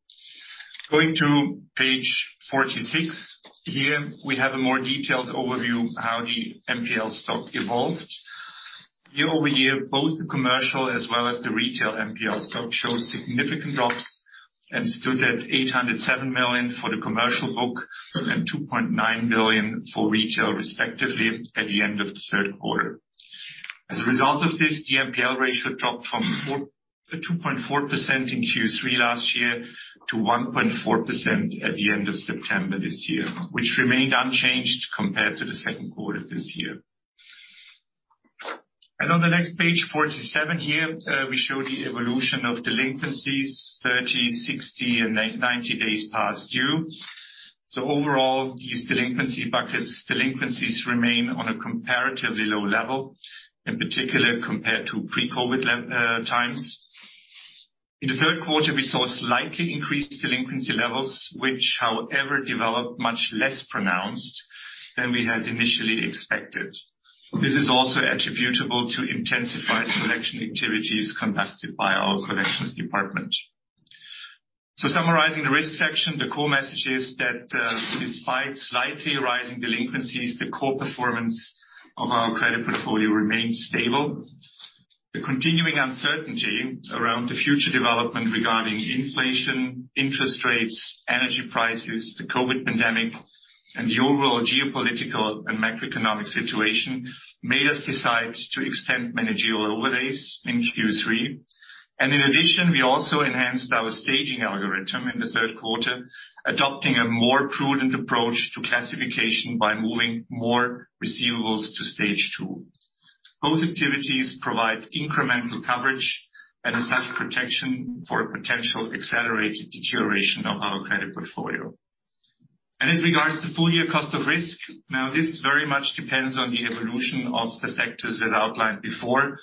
Going to page 46. Here we have a more detailed overview how the NPL stock evolved. Year-over-year, both the commercial as well as the retail NPL stock showed significant drops and stood at 807 million for the commercial book and 2.9 billion for retail, respectively, at the end of the third quarter. As a result of this, the NPL Ratio dropped from four. 2.4% in Q3 last year to 1.4% at the end of September this year, which remained unchanged compared to the second quarter this year. On the next page, 47 here, we show the evolution of delinquencies 30, 60, and 90 days past due. Overall, these delinquency buckets, delinquencies remain on a comparatively low level, in particular compared to pre-COVID times. In the third quarter, we saw slightly increased delinquency levels, which however, developed much less pronounced than we had initially expected. This is also attributable to intensified collection activities conducted by our collections department. Summarizing the risk section, the core message is that, despite slightly rising delinquencies, the core performance of our credit portfolio remains stable. The continuing uncertainty around the future development regarding inflation, interest rates, energy prices, the COVID pandemic, and the overall geopolitical and macroeconomic situation made us decide to extend management overlays in Q3. In addition, we also enhanced our staging algorithm in the third quarter, adopting a more prudent approach to classification by moving more receivables to Stage 2. Both activities provide incremental coverage and essential protection for potential accelerated deterioration of our credit portfolio. As regards to full year cost of risk, now this very much depends on the evolution of the factors as outlined before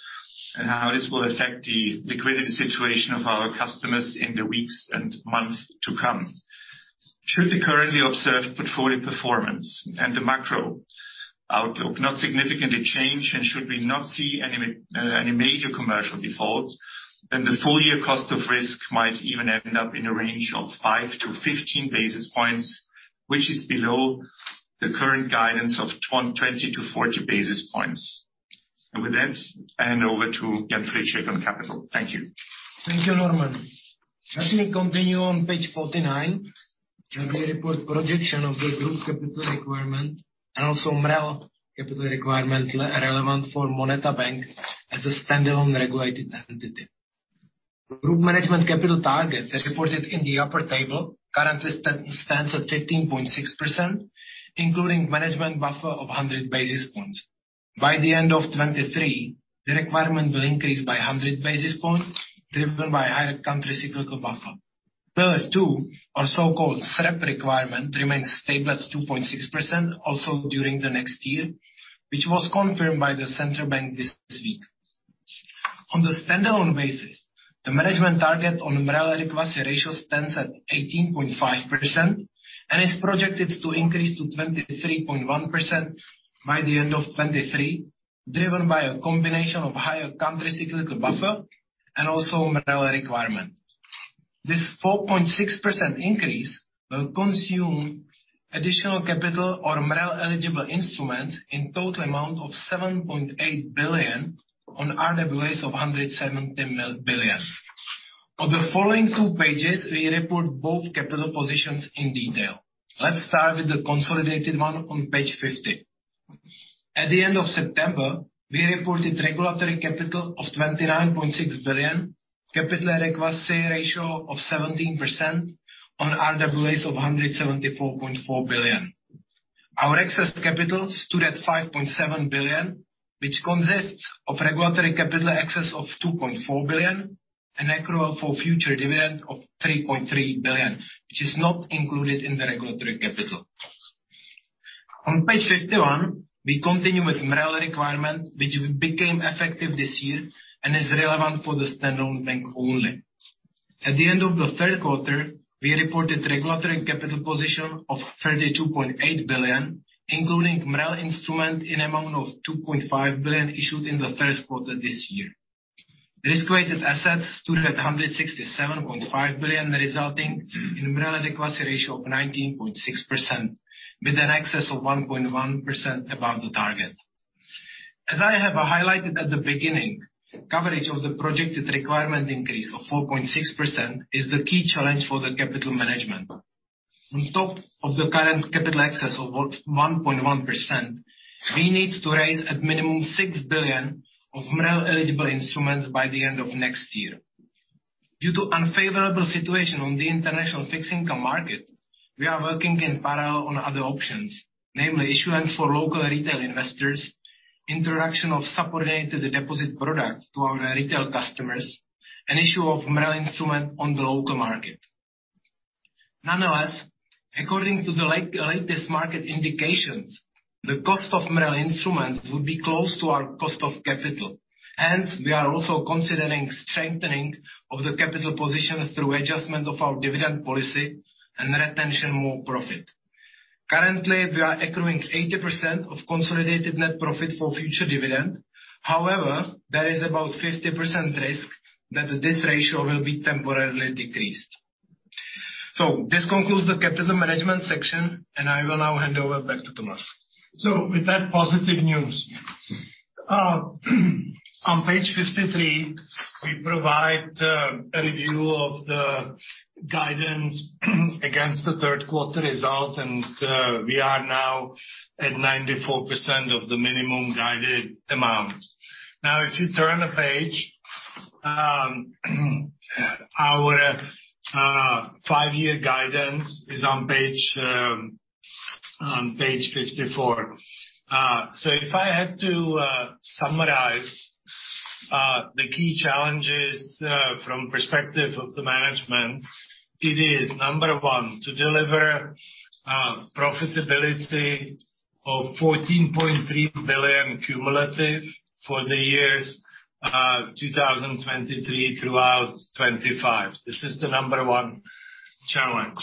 and how this will affect the liquidity situation of our customers in the weeks and months to come. Should the currently observed portfolio performance and the macro. Outlook has not significantly changed and should we not see any major commercial defaults, then the full year cost of risk might even end up in a range of 5-15 basis points, which is below the current guidance of 20-40 basis points. With that, I hand over to Jan Friček on capital. Thank you. Thank you, Norman. Let me continue on page 49. Let me report projection of the group capital requirement and also MREL capital requirement relevant for MONETA Bank as a standalone regulated entity. Group management capital target, as reported in the upper table, currently stands at 13.6%, including management buffer of 100 basis points. By the end of 2023, the requirement will increase by 100 basis points driven by higher countercyclical buffer. Pillar two or so-called SREP requirement remains stable at 2.6% also during the next year, which was confirmed by the central bank this week. On the standalone basis, the management target on MREL adequacy ratio stands at 18.5% and is projected to increase to 23.1% by the end of 2023, driven by a combination of higher countercyclical buffer and also MREL requirement. This 4.6% increase will consume additional capital or MREL eligible instruments in total amount of 7.8 billion on RWA of 170 billion. On the following two pages, we report both capital positions in detail. Let's start with the consolidated one on page 50. At the end of September, we reported Regulatory Capital of 29.6 billion, Capital Adequacy Ratio of 17% on RWAs of 174.4 billion. Our excess capital stood at 5.7 billion, which consists of Regulatory Capital excess of 2.4 billion and accrual for future dividend of 3.3 billion, which is not included in the Regulatory Capital. On page 51, we continue with MREL requirement, which became effective this year and is relevant for the standalone bank only. At the end of the third quarter, we reported Regulatory Capital position of 32.8 billion, including MREL instrument in amount of 2.5 billion issued in the first quarter this year. Risk-weighted assets stood at 167.5 billion, resulting in MREL adequacy ratio of 19.6%, with an excess of 1.1% above the target. As I have highlighted at the beginning, coverage of the projected requirement increase of 4.6% is the key challenge for the Capital Management. On top of the current capital excess of what? 1.1%, we need to raise at minimum 6 billion of MREL eligible instruments by the end of next year. Due to unfavorable situation on the international fixed income market, we are working in parallel on other options, namely issuance for local retail investors, introduction of subordinated deposit product to our retail customers, and issue of MREL instrument on the local market. Nonetheless, according to the latest market indications, the cost of MREL instruments would be close to our cost of capital. Hence, we are also considering strengthening of the capital position through adjustment of our dividend policy and retention more profit. Currently, we are accruing 80% of Net Profit for future dividend. However, there is about 50% risk that this ratio will be temporarily decreased. This concludes the Capital Management section, and I will now hand over back to Tomáš. With that positive news, on page 53, we provide a review of the guidance against the third quarter result, and we are now at 94% of the minimum guided amount. Now, if you turn the page, our five-year guidance is on page 54. If I had to summarize the key challenges from perspective of the management, it is, number one, to deliver profitability of 14.3 billion cumulative for the years 2023 throughout 2025. This is the number one challenge.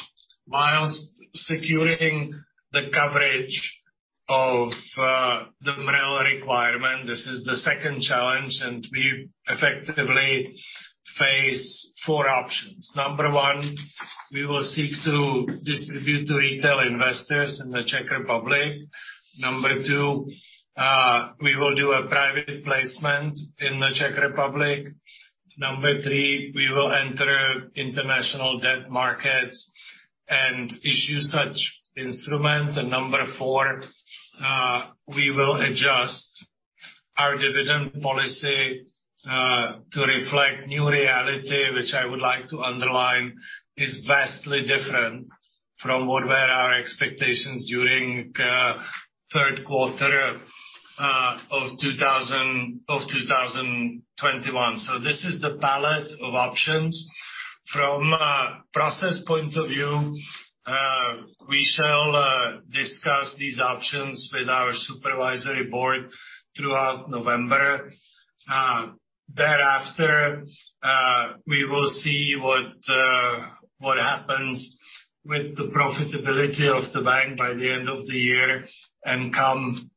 While securing the coverage of the MREL requirement, this is the second challenge, and we effectively face four options. Number one, we will seek to distribute to retail investors in the Czech Republic. Number two, we will do a private placement in the Czech Republic. Number three, we will enter international debt markets and issue such instrument. Number four, we will adjust our dividend policy to reflect new reality, which I would like to underline is vastly different from what were our expectations during third quarter of 2021. This is the palette of options. From a process point of view, we shall discuss these options with our supervisory board throughout November. Thereafter, we will see what happens with the profitability of the bank by the end of the year, and come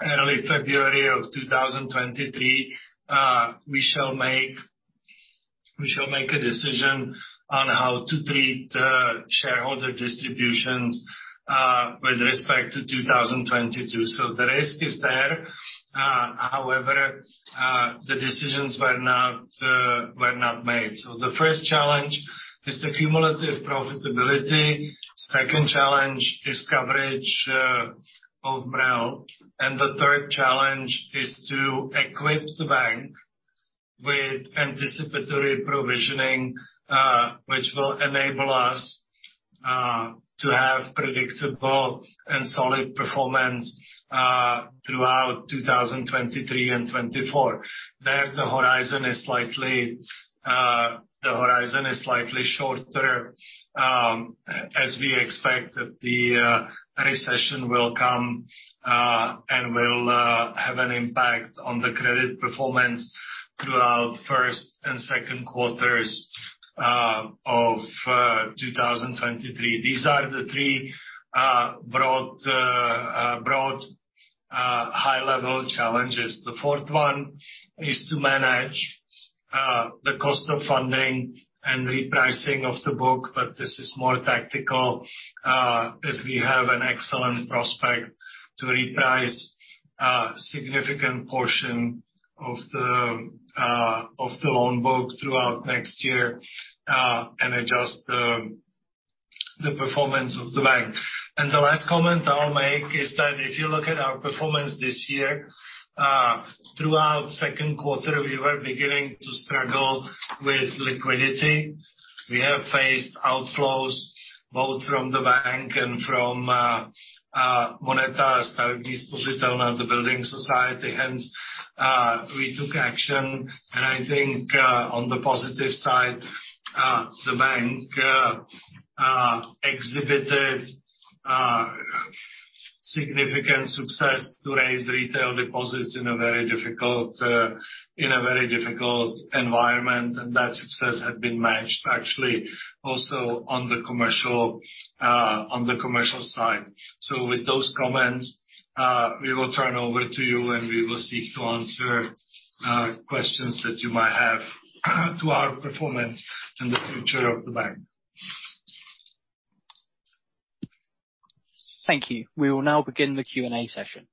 early February 2023, we shall make a decision on how to treat the shareholder distributions with respect to 2022. The risk is there, however, the decisions were not made. The first challenge is the cumulative profitability. Second challenge is coverage of MREL. The third challenge is to equip the bank with anticipatory provisioning, which will enable us to have predictable and solid performance throughout 2023 and 2024. The horizon is slightly shorter, as we expect that the recession will come and will have an impact on the credit performance throughout first and second quarters of 2023. These are the three broad high level challenges. The fourth one is to manage the cost of funding and repricing of the book, but this is more tactical, as we have an excellent prospect to reprice significant portion of the loan book throughout next year, and adjust the performance of the bank. The last comment I'll make is that if you look at our performance this year, throughout second quarter, we were beginning to struggle with liquidity. We have faced outflows, both from the bank and from MONETA Stavební Spořitelna, the building society. Hence, we took action, and I think, on the positive side, the bank exhibited significant success to raise retail deposits in a very difficult environment. That success had been matched actually also on the commercial side. With those comments, we will turn over to you, and we will seek to answer questions that you might have to our performance and the future of the bank. Thank you. We will now begin the Q&A session.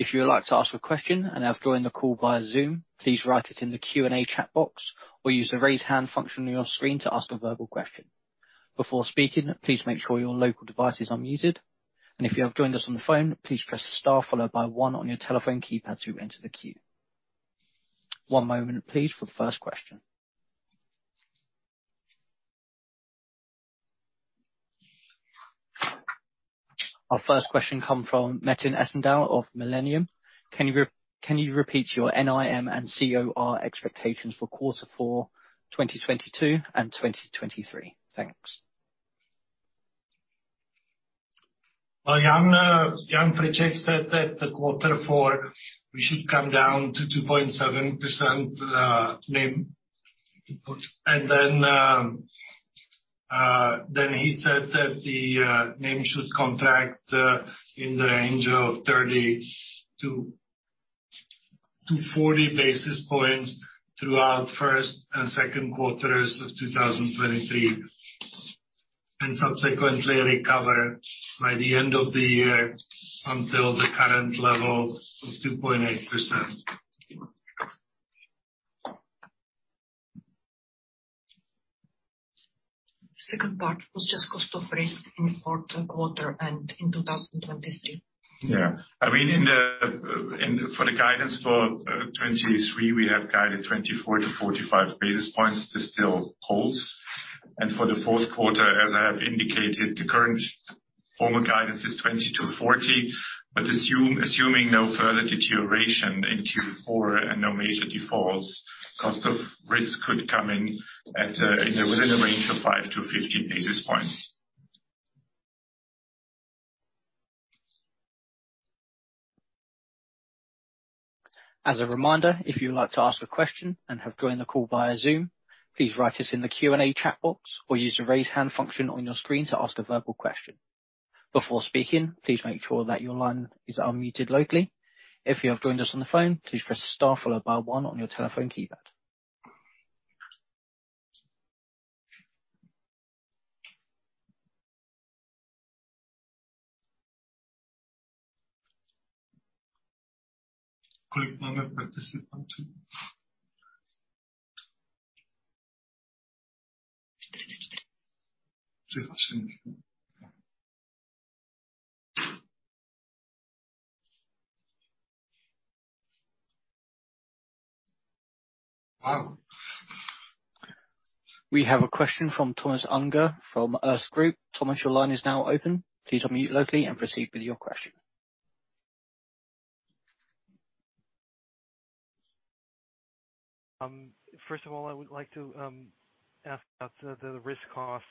If you would like to ask a question and have joined the call via Zoom, please write it in the Q&A chat box or use the raise hand function on your screen to ask a verbal question. Before speaking, please make sure your local device is unmuted, and if you have joined us on the phone, please press Star followed by one on your telephone keypad to enter the queue. One moment, please, for the first question. Our first question comes from Metin Esendal of Millennium. Can you repeat your NIM and COR expectations for quarter four 2022 and 2023? Thanks. Well, Jan Friček said that the quarter four, we should come down to 2.7% NIM input. Then he said that the NIM should contract in the range of 30 to 40 basis points throughout first and second quarters of 2023, and subsequently recover by the end of the year until the current level of 2.8%. Second part was just cost of risk in fourth quarter and in 2023. Yeah. I mean, for the guidance for 2023, we have guided 24-45 basis points. This still holds. For the fourth quarter, as I have indicated, the current formal guidance is 20-40. Assuming no further deterioration in Q4 and no major defaults, cost of risk could come in at within a range of 5-15 basis points. As a reminder, if you would like to ask a question and have joined the call via Zoom, please write us in the Q&A chat box or use the raise hand function on your screen to ask a verbal question. Before speaking, please make sure that your line is unmuted locally. If you have joined us on the phone, please press Star followed by one on your telephone keypad. We have a question from Thomas Unger from Erste Group. Thomas, your line is now open. Please unmute locally and proceed with your question. First of all, I would like to ask about the cost of risk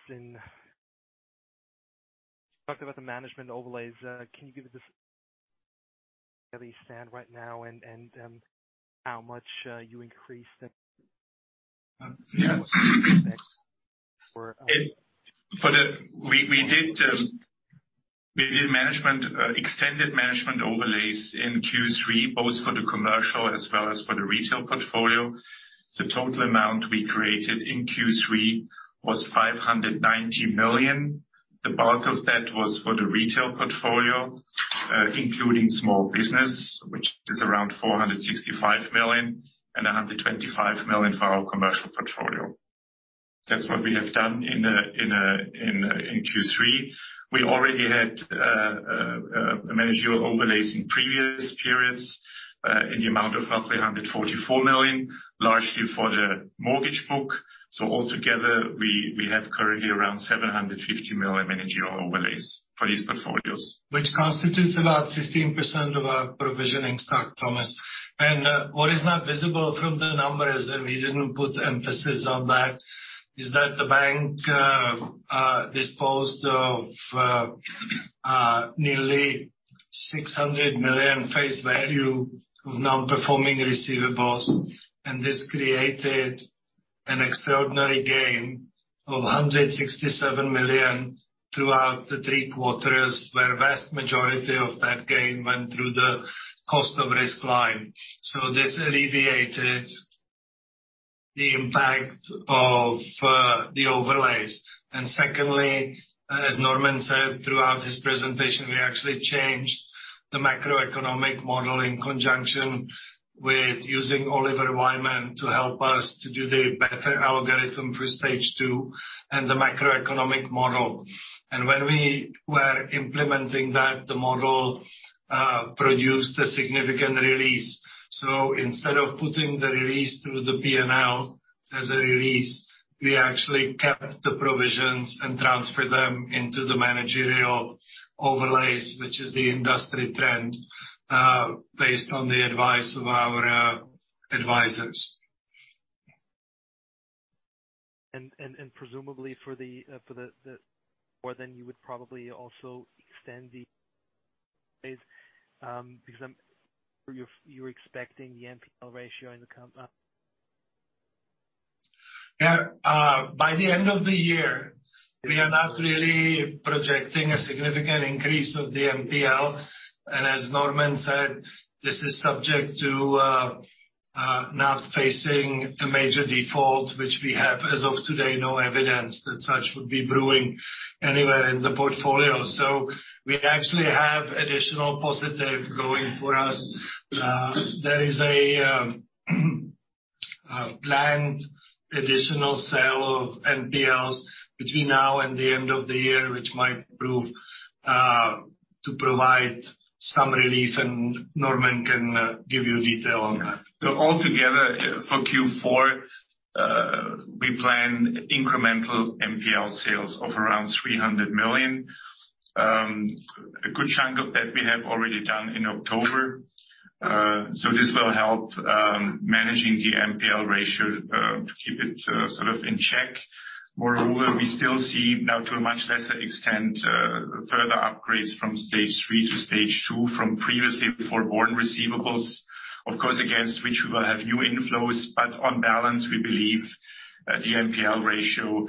in.. Talked about the management overlays. Can you give us? Yeah. We did, management overlays in Q3, both for the commercial as well as for the retail portfolio. The total amount we created in Q3 was 590 million. The bulk of that was for the retail portfolio, including small business, which is around 465 million, and 125 million for our commercial portfolio. That's what we have done in Q3. We already had the management overlays in previous periods in the amount of roughly 144 million, largely for the mortgage book. Altogether, we have currently around 750 million management overlays for these portfolios. Which constitutes about 15% of our provisioning stock, Thomas. What is not visible from the numbers, and we didn't put emphasis on that, is that the bank disposed of nearly 600 million face value of non-performing receivables, and this created an extraordinary gain of 167 million throughout the three quarters, where vast majority of that gain went through the cost of risk line. This alleviated the impact of the overlays. Secondly, as Norman said throughout his presentation, we actually changed the macroeconomic model in conjunction with using Oliver Wyman to help us to do the better algorithm for Stage 2 and the macroeconomic model. When we were implementing that, the model produced a significant release. Instead of putting the release through the P&L as a release, we actually kept the provisions and transferred them into the management overlays, which is the industry trend, based on the advice of our advisors. Presumably for the more than you would probably also extend the phase because you're expecting the NPL Ratio in the com- *audio distortion* Yeah. By the end of the year, we are not really projecting a significant increase of the NPL. As Norman said, this is subject to not facing a major default, which we have, as of today, no evidence that such would be brewing anywhere in the portfolio. We actually have additional positive going for us. There is a planned additional sale of NPLs between now and the end of the year, which might prove to provide some relief, and Norman can give you detail on that. All together for Q4, we plan incremental NPL sales of around 300 million. A good chunk of that we have already done in October. This will help managing the NPL Ratio to keep it sort of in check. Moreover, we still see now to a much lesser extent further upgrades from Stage 3 to Stage 2 from previously forborne receivables, of course, against which we will have new inflows. On balance, we believe that the NPL Ratio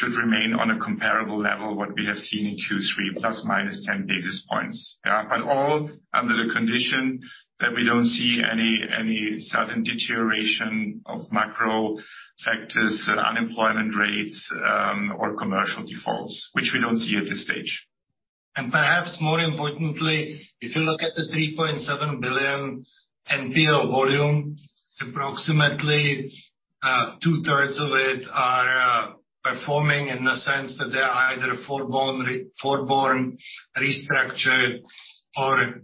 should remain on a comparable level, what we have seen in Q3, plus or minus 10 basis points. Yeah. All under the condition that we don't see any sudden deterioration of macro factors, unemployment rates, or commercial defaults, which we don't see at this stage. Perhaps more importantly, if you look at the 3.7 billion NPL volume, approximately, two-thirds of it are performing in the sense that they are either forborne restructured or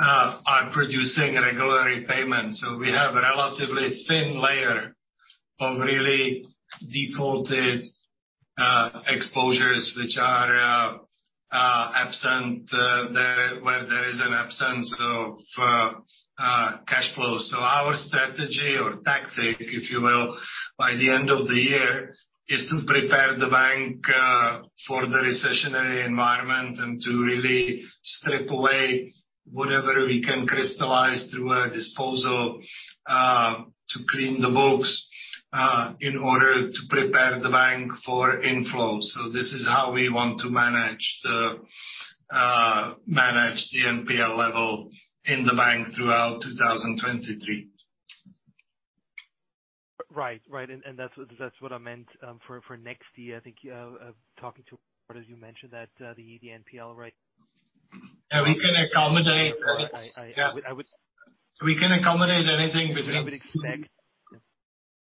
are producing regular repayments. We have a relatively thin layer of really defaulted exposures which are absent where there is an absence of cash flows. Our strategy or tactic, if you will, by the end of the year, is to prepare the bank for the recessionary environment and to really strip away whatever we can crystallize through a disposal to clean the books in order to prepare the bank for inflows. This is how we want to manage the NPL level in the bank throughout 2023. Right. That's what I meant for next year. I think, talking to partners as you mentioned that, the NPL rate. Yeah, we can accommodate. I would expect Yeah. I would- We can accommodate anything between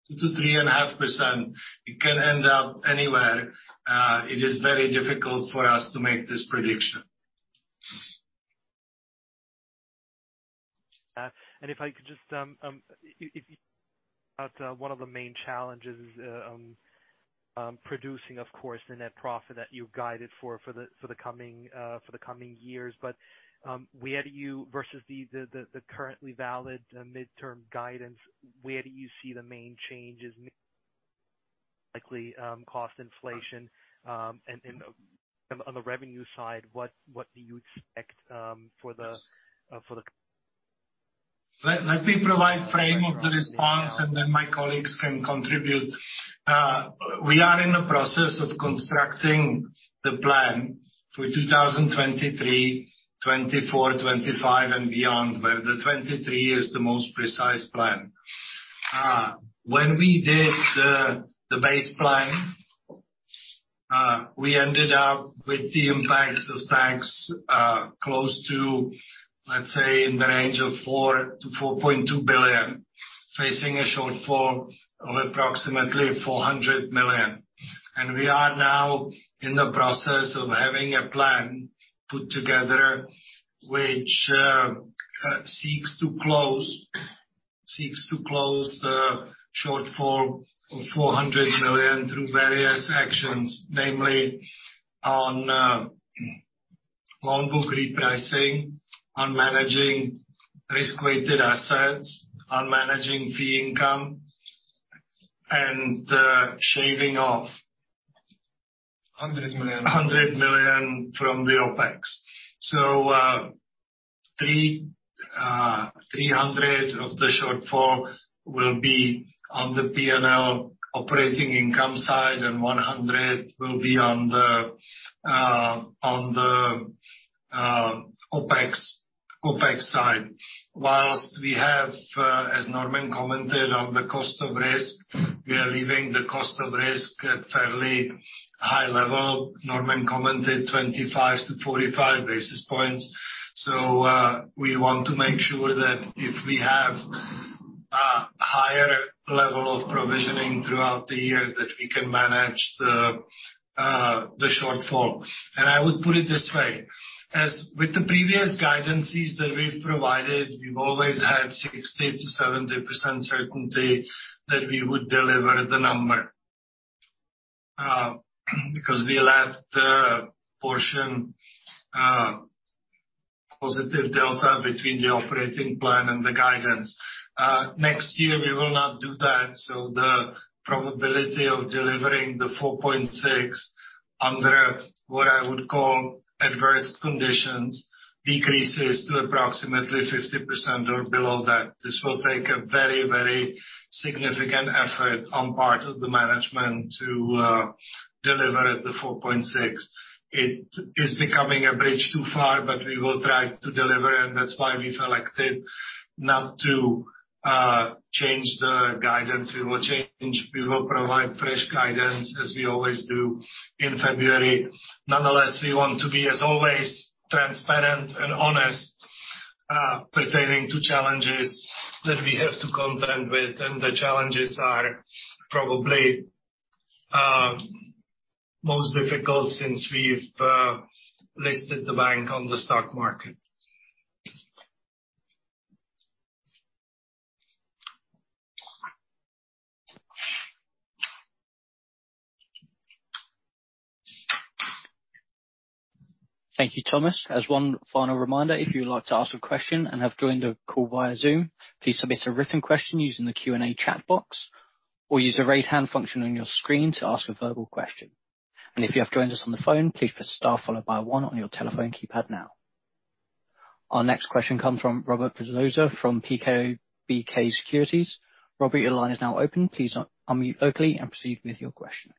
2%-3.5%. It can end up anywhere. It is very difficult for us to make this prediction. One of the main challenges producing, of course, Net Profit that you've guided for the coming years. Where do you see versus the currently valid midterm guidance, where do you see the main changes. *audio distortion* Likely cost inflation and on the revenue side, what do you expect for the - *audio distortion* Let me provide frame of the response and then my colleagues can contribute. We are in the process of constructing the plan for 2023, 2024, 2025 and beyond, where the 2023 is the most precise plan. When we did the base plan, we ended up with the impact of tax close to, let's say, in the range of 4-4.2 billion, facing a shortfall of approximately 400 million. We are now in the process of having a plan put together which seeks to close the shortfall of 400 million through various actions, namely on loan book repricing, on managing risk-weighted assets, on managing fee income and shaving off. 100 million. 100 million from the OpEx. 300 of the shortfall will be on the P&L operating income side, and 100 will be on the OpEx side. While we have, as Norman commented on the cost of risk, we are leaving the cost of risk at a fairly high level. Norman commented 25-45 basis points. We want to make sure that if we have a higher level of provisioning throughout the year, that we can manage the shortfall. I would put it this way, as with the previous guidances that we've provided, we've always had 60%-70% certainty that we would deliver the number, because we left a portion, positive delta between the operating plan and the guidance. Next year we will not do that. The probability of delivering the 4.6% under what I would call adverse conditions decreases to approximately 50% or below that. This will take a very, very significant effort on part of the management to deliver the 4.6. It is becoming a bridge too far, but we will try to deliver, and that's why we've elected not to change the guidance. We will provide fresh guidance as we always do in February. Nonetheless, we want to be, as always, transparent and honest pertaining to challenges that we have to contend with. The challenges are probably most difficult since we've listed the bank on the stock market. Thank you, Thomas. As one final reminder, if you would like to ask a question and have joined the call via Zoom, please submit a written question using the Q&A chat box or use the raise hand function on your screen to ask a verbal question. If you have joined us on the phone, please press Star followed by one on your telephone keypad now. Our next question comes from Robert Brzoza from PKO BP Securities. Robert, your line is now open. Please unmute locally and proceed with your question.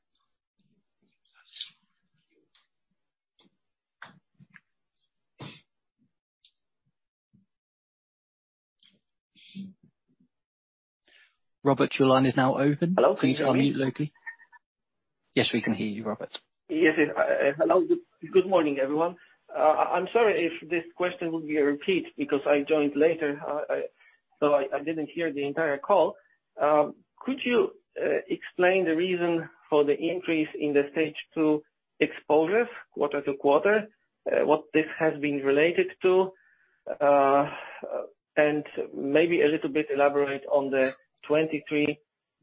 Robert, your line is now open. Hello. Can you hear me? Please unmute locally. Yes, we can hear you, Robert. Yes. Hello. Good morning, everyone. I'm sorry if this question will be a repeat because I joined later, so I didn't hear the entire call. Could you explain the reason for the increase in the Stage 2 exposures quarter-over-quarter, what this has been related to? And maybe a little bit elaborate on the 2023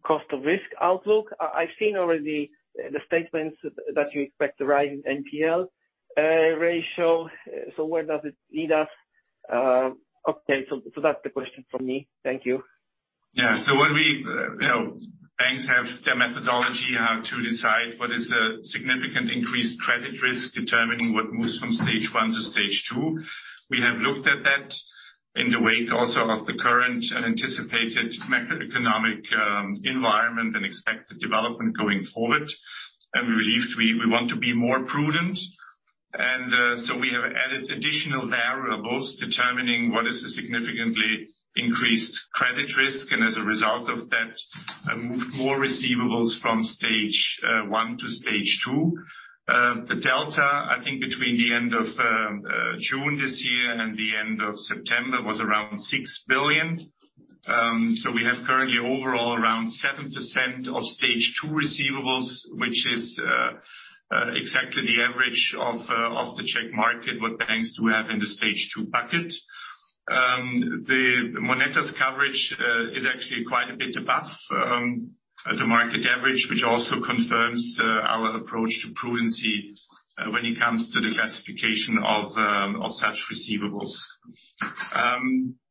cost of risk outlook. I've seen already the statements that you expect a rise in NPL Ratio. Where does it lead us? Okay, that's the question from me. Thank you. Yeah. When we, you know, banks have their methodology how to decide what is a significant increased credit risk, determining what moves from Stage 1 to Stage 2. We have looked at that in the wake also of the current and anticipated macroeconomic environment and expected development going forward. We believed we want to be more prudent. We have added additional variables determining what is a significantly increased credit risk. As a result of that, have moved more receivables from Stage 1 to Stage 2. The delta, I think between the end of June this year and the end of September was around 6 billion. We have currently overall around 7% of Stage 2 receivables, which is exactly the average of the Czech market, what banks do have in the Stage 2 bucket. The MONETA's coverage is actually quite a bit above the market average, which also confirms our approach to prudence when it comes to the classification of such receivables.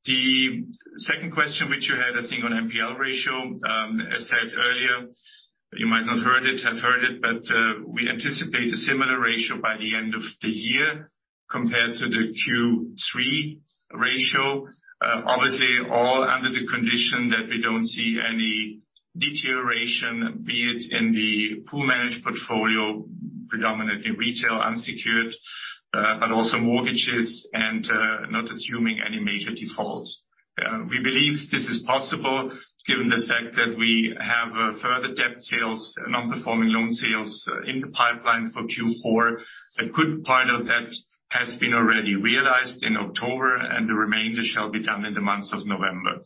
The second question which you had, I think on NPL Ratio, as said earlier, you might have heard it, but we anticipate a similar ratio by the end of the year. Compared to the Q3 ratio, obviously all under the condition that we don't see any deterioration, be it in the pool managed portfolio, predominantly retail, unsecured, but also mortgages, and not assuming any major defaults. We believe this is possible given the fact that we have further debt sales, non-performing loan sales in the pipeline for Q4. A good part of that has been already realized in October, and the remainder shall be done in the months of November.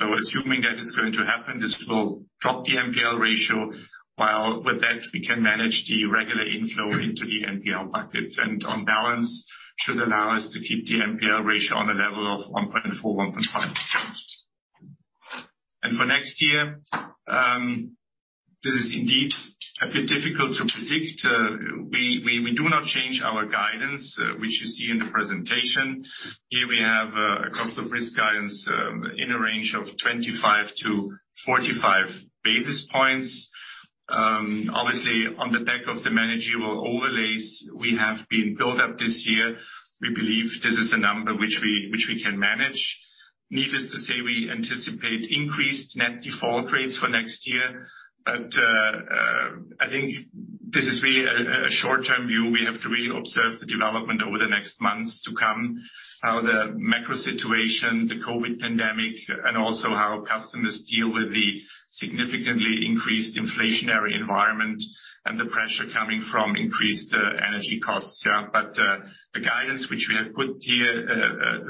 Assuming that is going to happen, this will drop the NPL Ratio, while with that, we can manage the regular inflow into the NPL bucket. On balance, should allow us to keep the NPL Ratio on a level of 1.4%-1.5%. For next year, this is indeed a bit difficult to predict. We do not change our guidance, which you see in the presentation. Here we have a cost of risk guidance in a range of 25-45 basis points. Obviously, on the back of the management overlays we have been built up this year, we believe this is a number which we can manage. Needless to say, we anticipate increased net default rates for next year. I think this is really a short-term view. We have to really observe the development over the next months to come, how the macro situation, the COVID pandemic, and also how customers deal with the significantly increased inflationary environment and the pressure coming from increased energy costs. The guidance which we have put here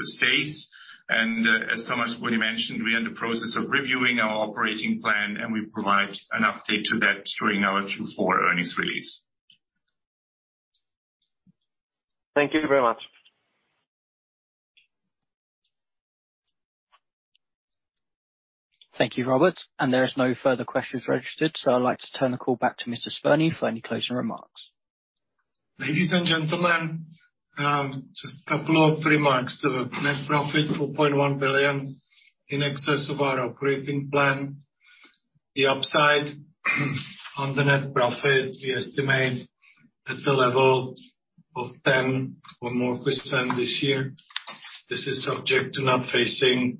stays. As Thomas already mentioned, we are in the process of reviewing our operating plan, and we provide an update to that during our Q4 earnings release. Thank you very much. Thank you, Robert. There is no further questions registered, so I'd like to turn the call back to Mr. Spurný for any closing remarks. Ladies and gentlemen, just a couple of remarks. The Net Profit, 4.1 billion, in excess of our operating plan. The upside on the Net Profit we estimate at the level of 10% or more this year. This is subject to not facing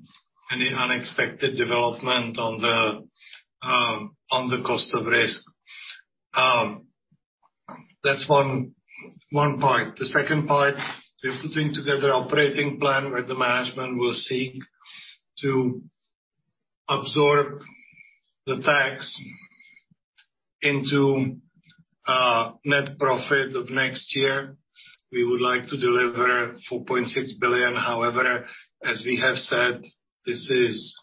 any unexpected development on the cost of risk. That's one point. The second part, we're putting together operating plan where the management will seek to absorb the tax into Net Profit of next year. We would like to deliver 4.6 billion. However, as we have said, this is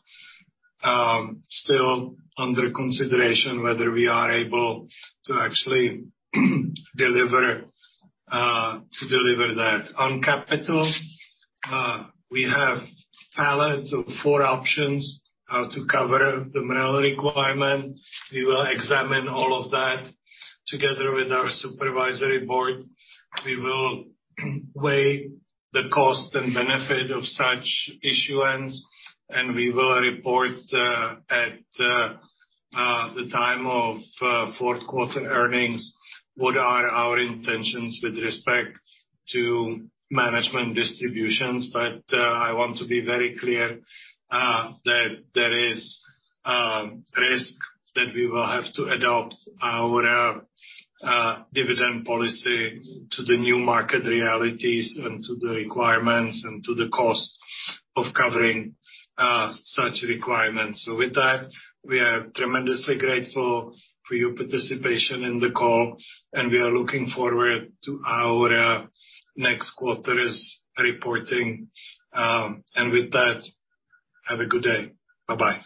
still under consideration whether we are able to actually deliver that. On capital, we have palette of four options to cover the MREL requirement. We will examine all of that together with our supervisory board. We will weigh the cost and benefit of such issuance, and we will report at the time of fourth quarter earnings what are our intentions with respect to management distributions. I want to be very clear that there is risk that we will have to adapt our dividend policy to the new market realities and to the requirements and to the cost of covering such requirements. With that, we are tremendously grateful for your participation in the call, and we are looking forward to our next quarter's reporting. With that, have a good day. Bye-bye.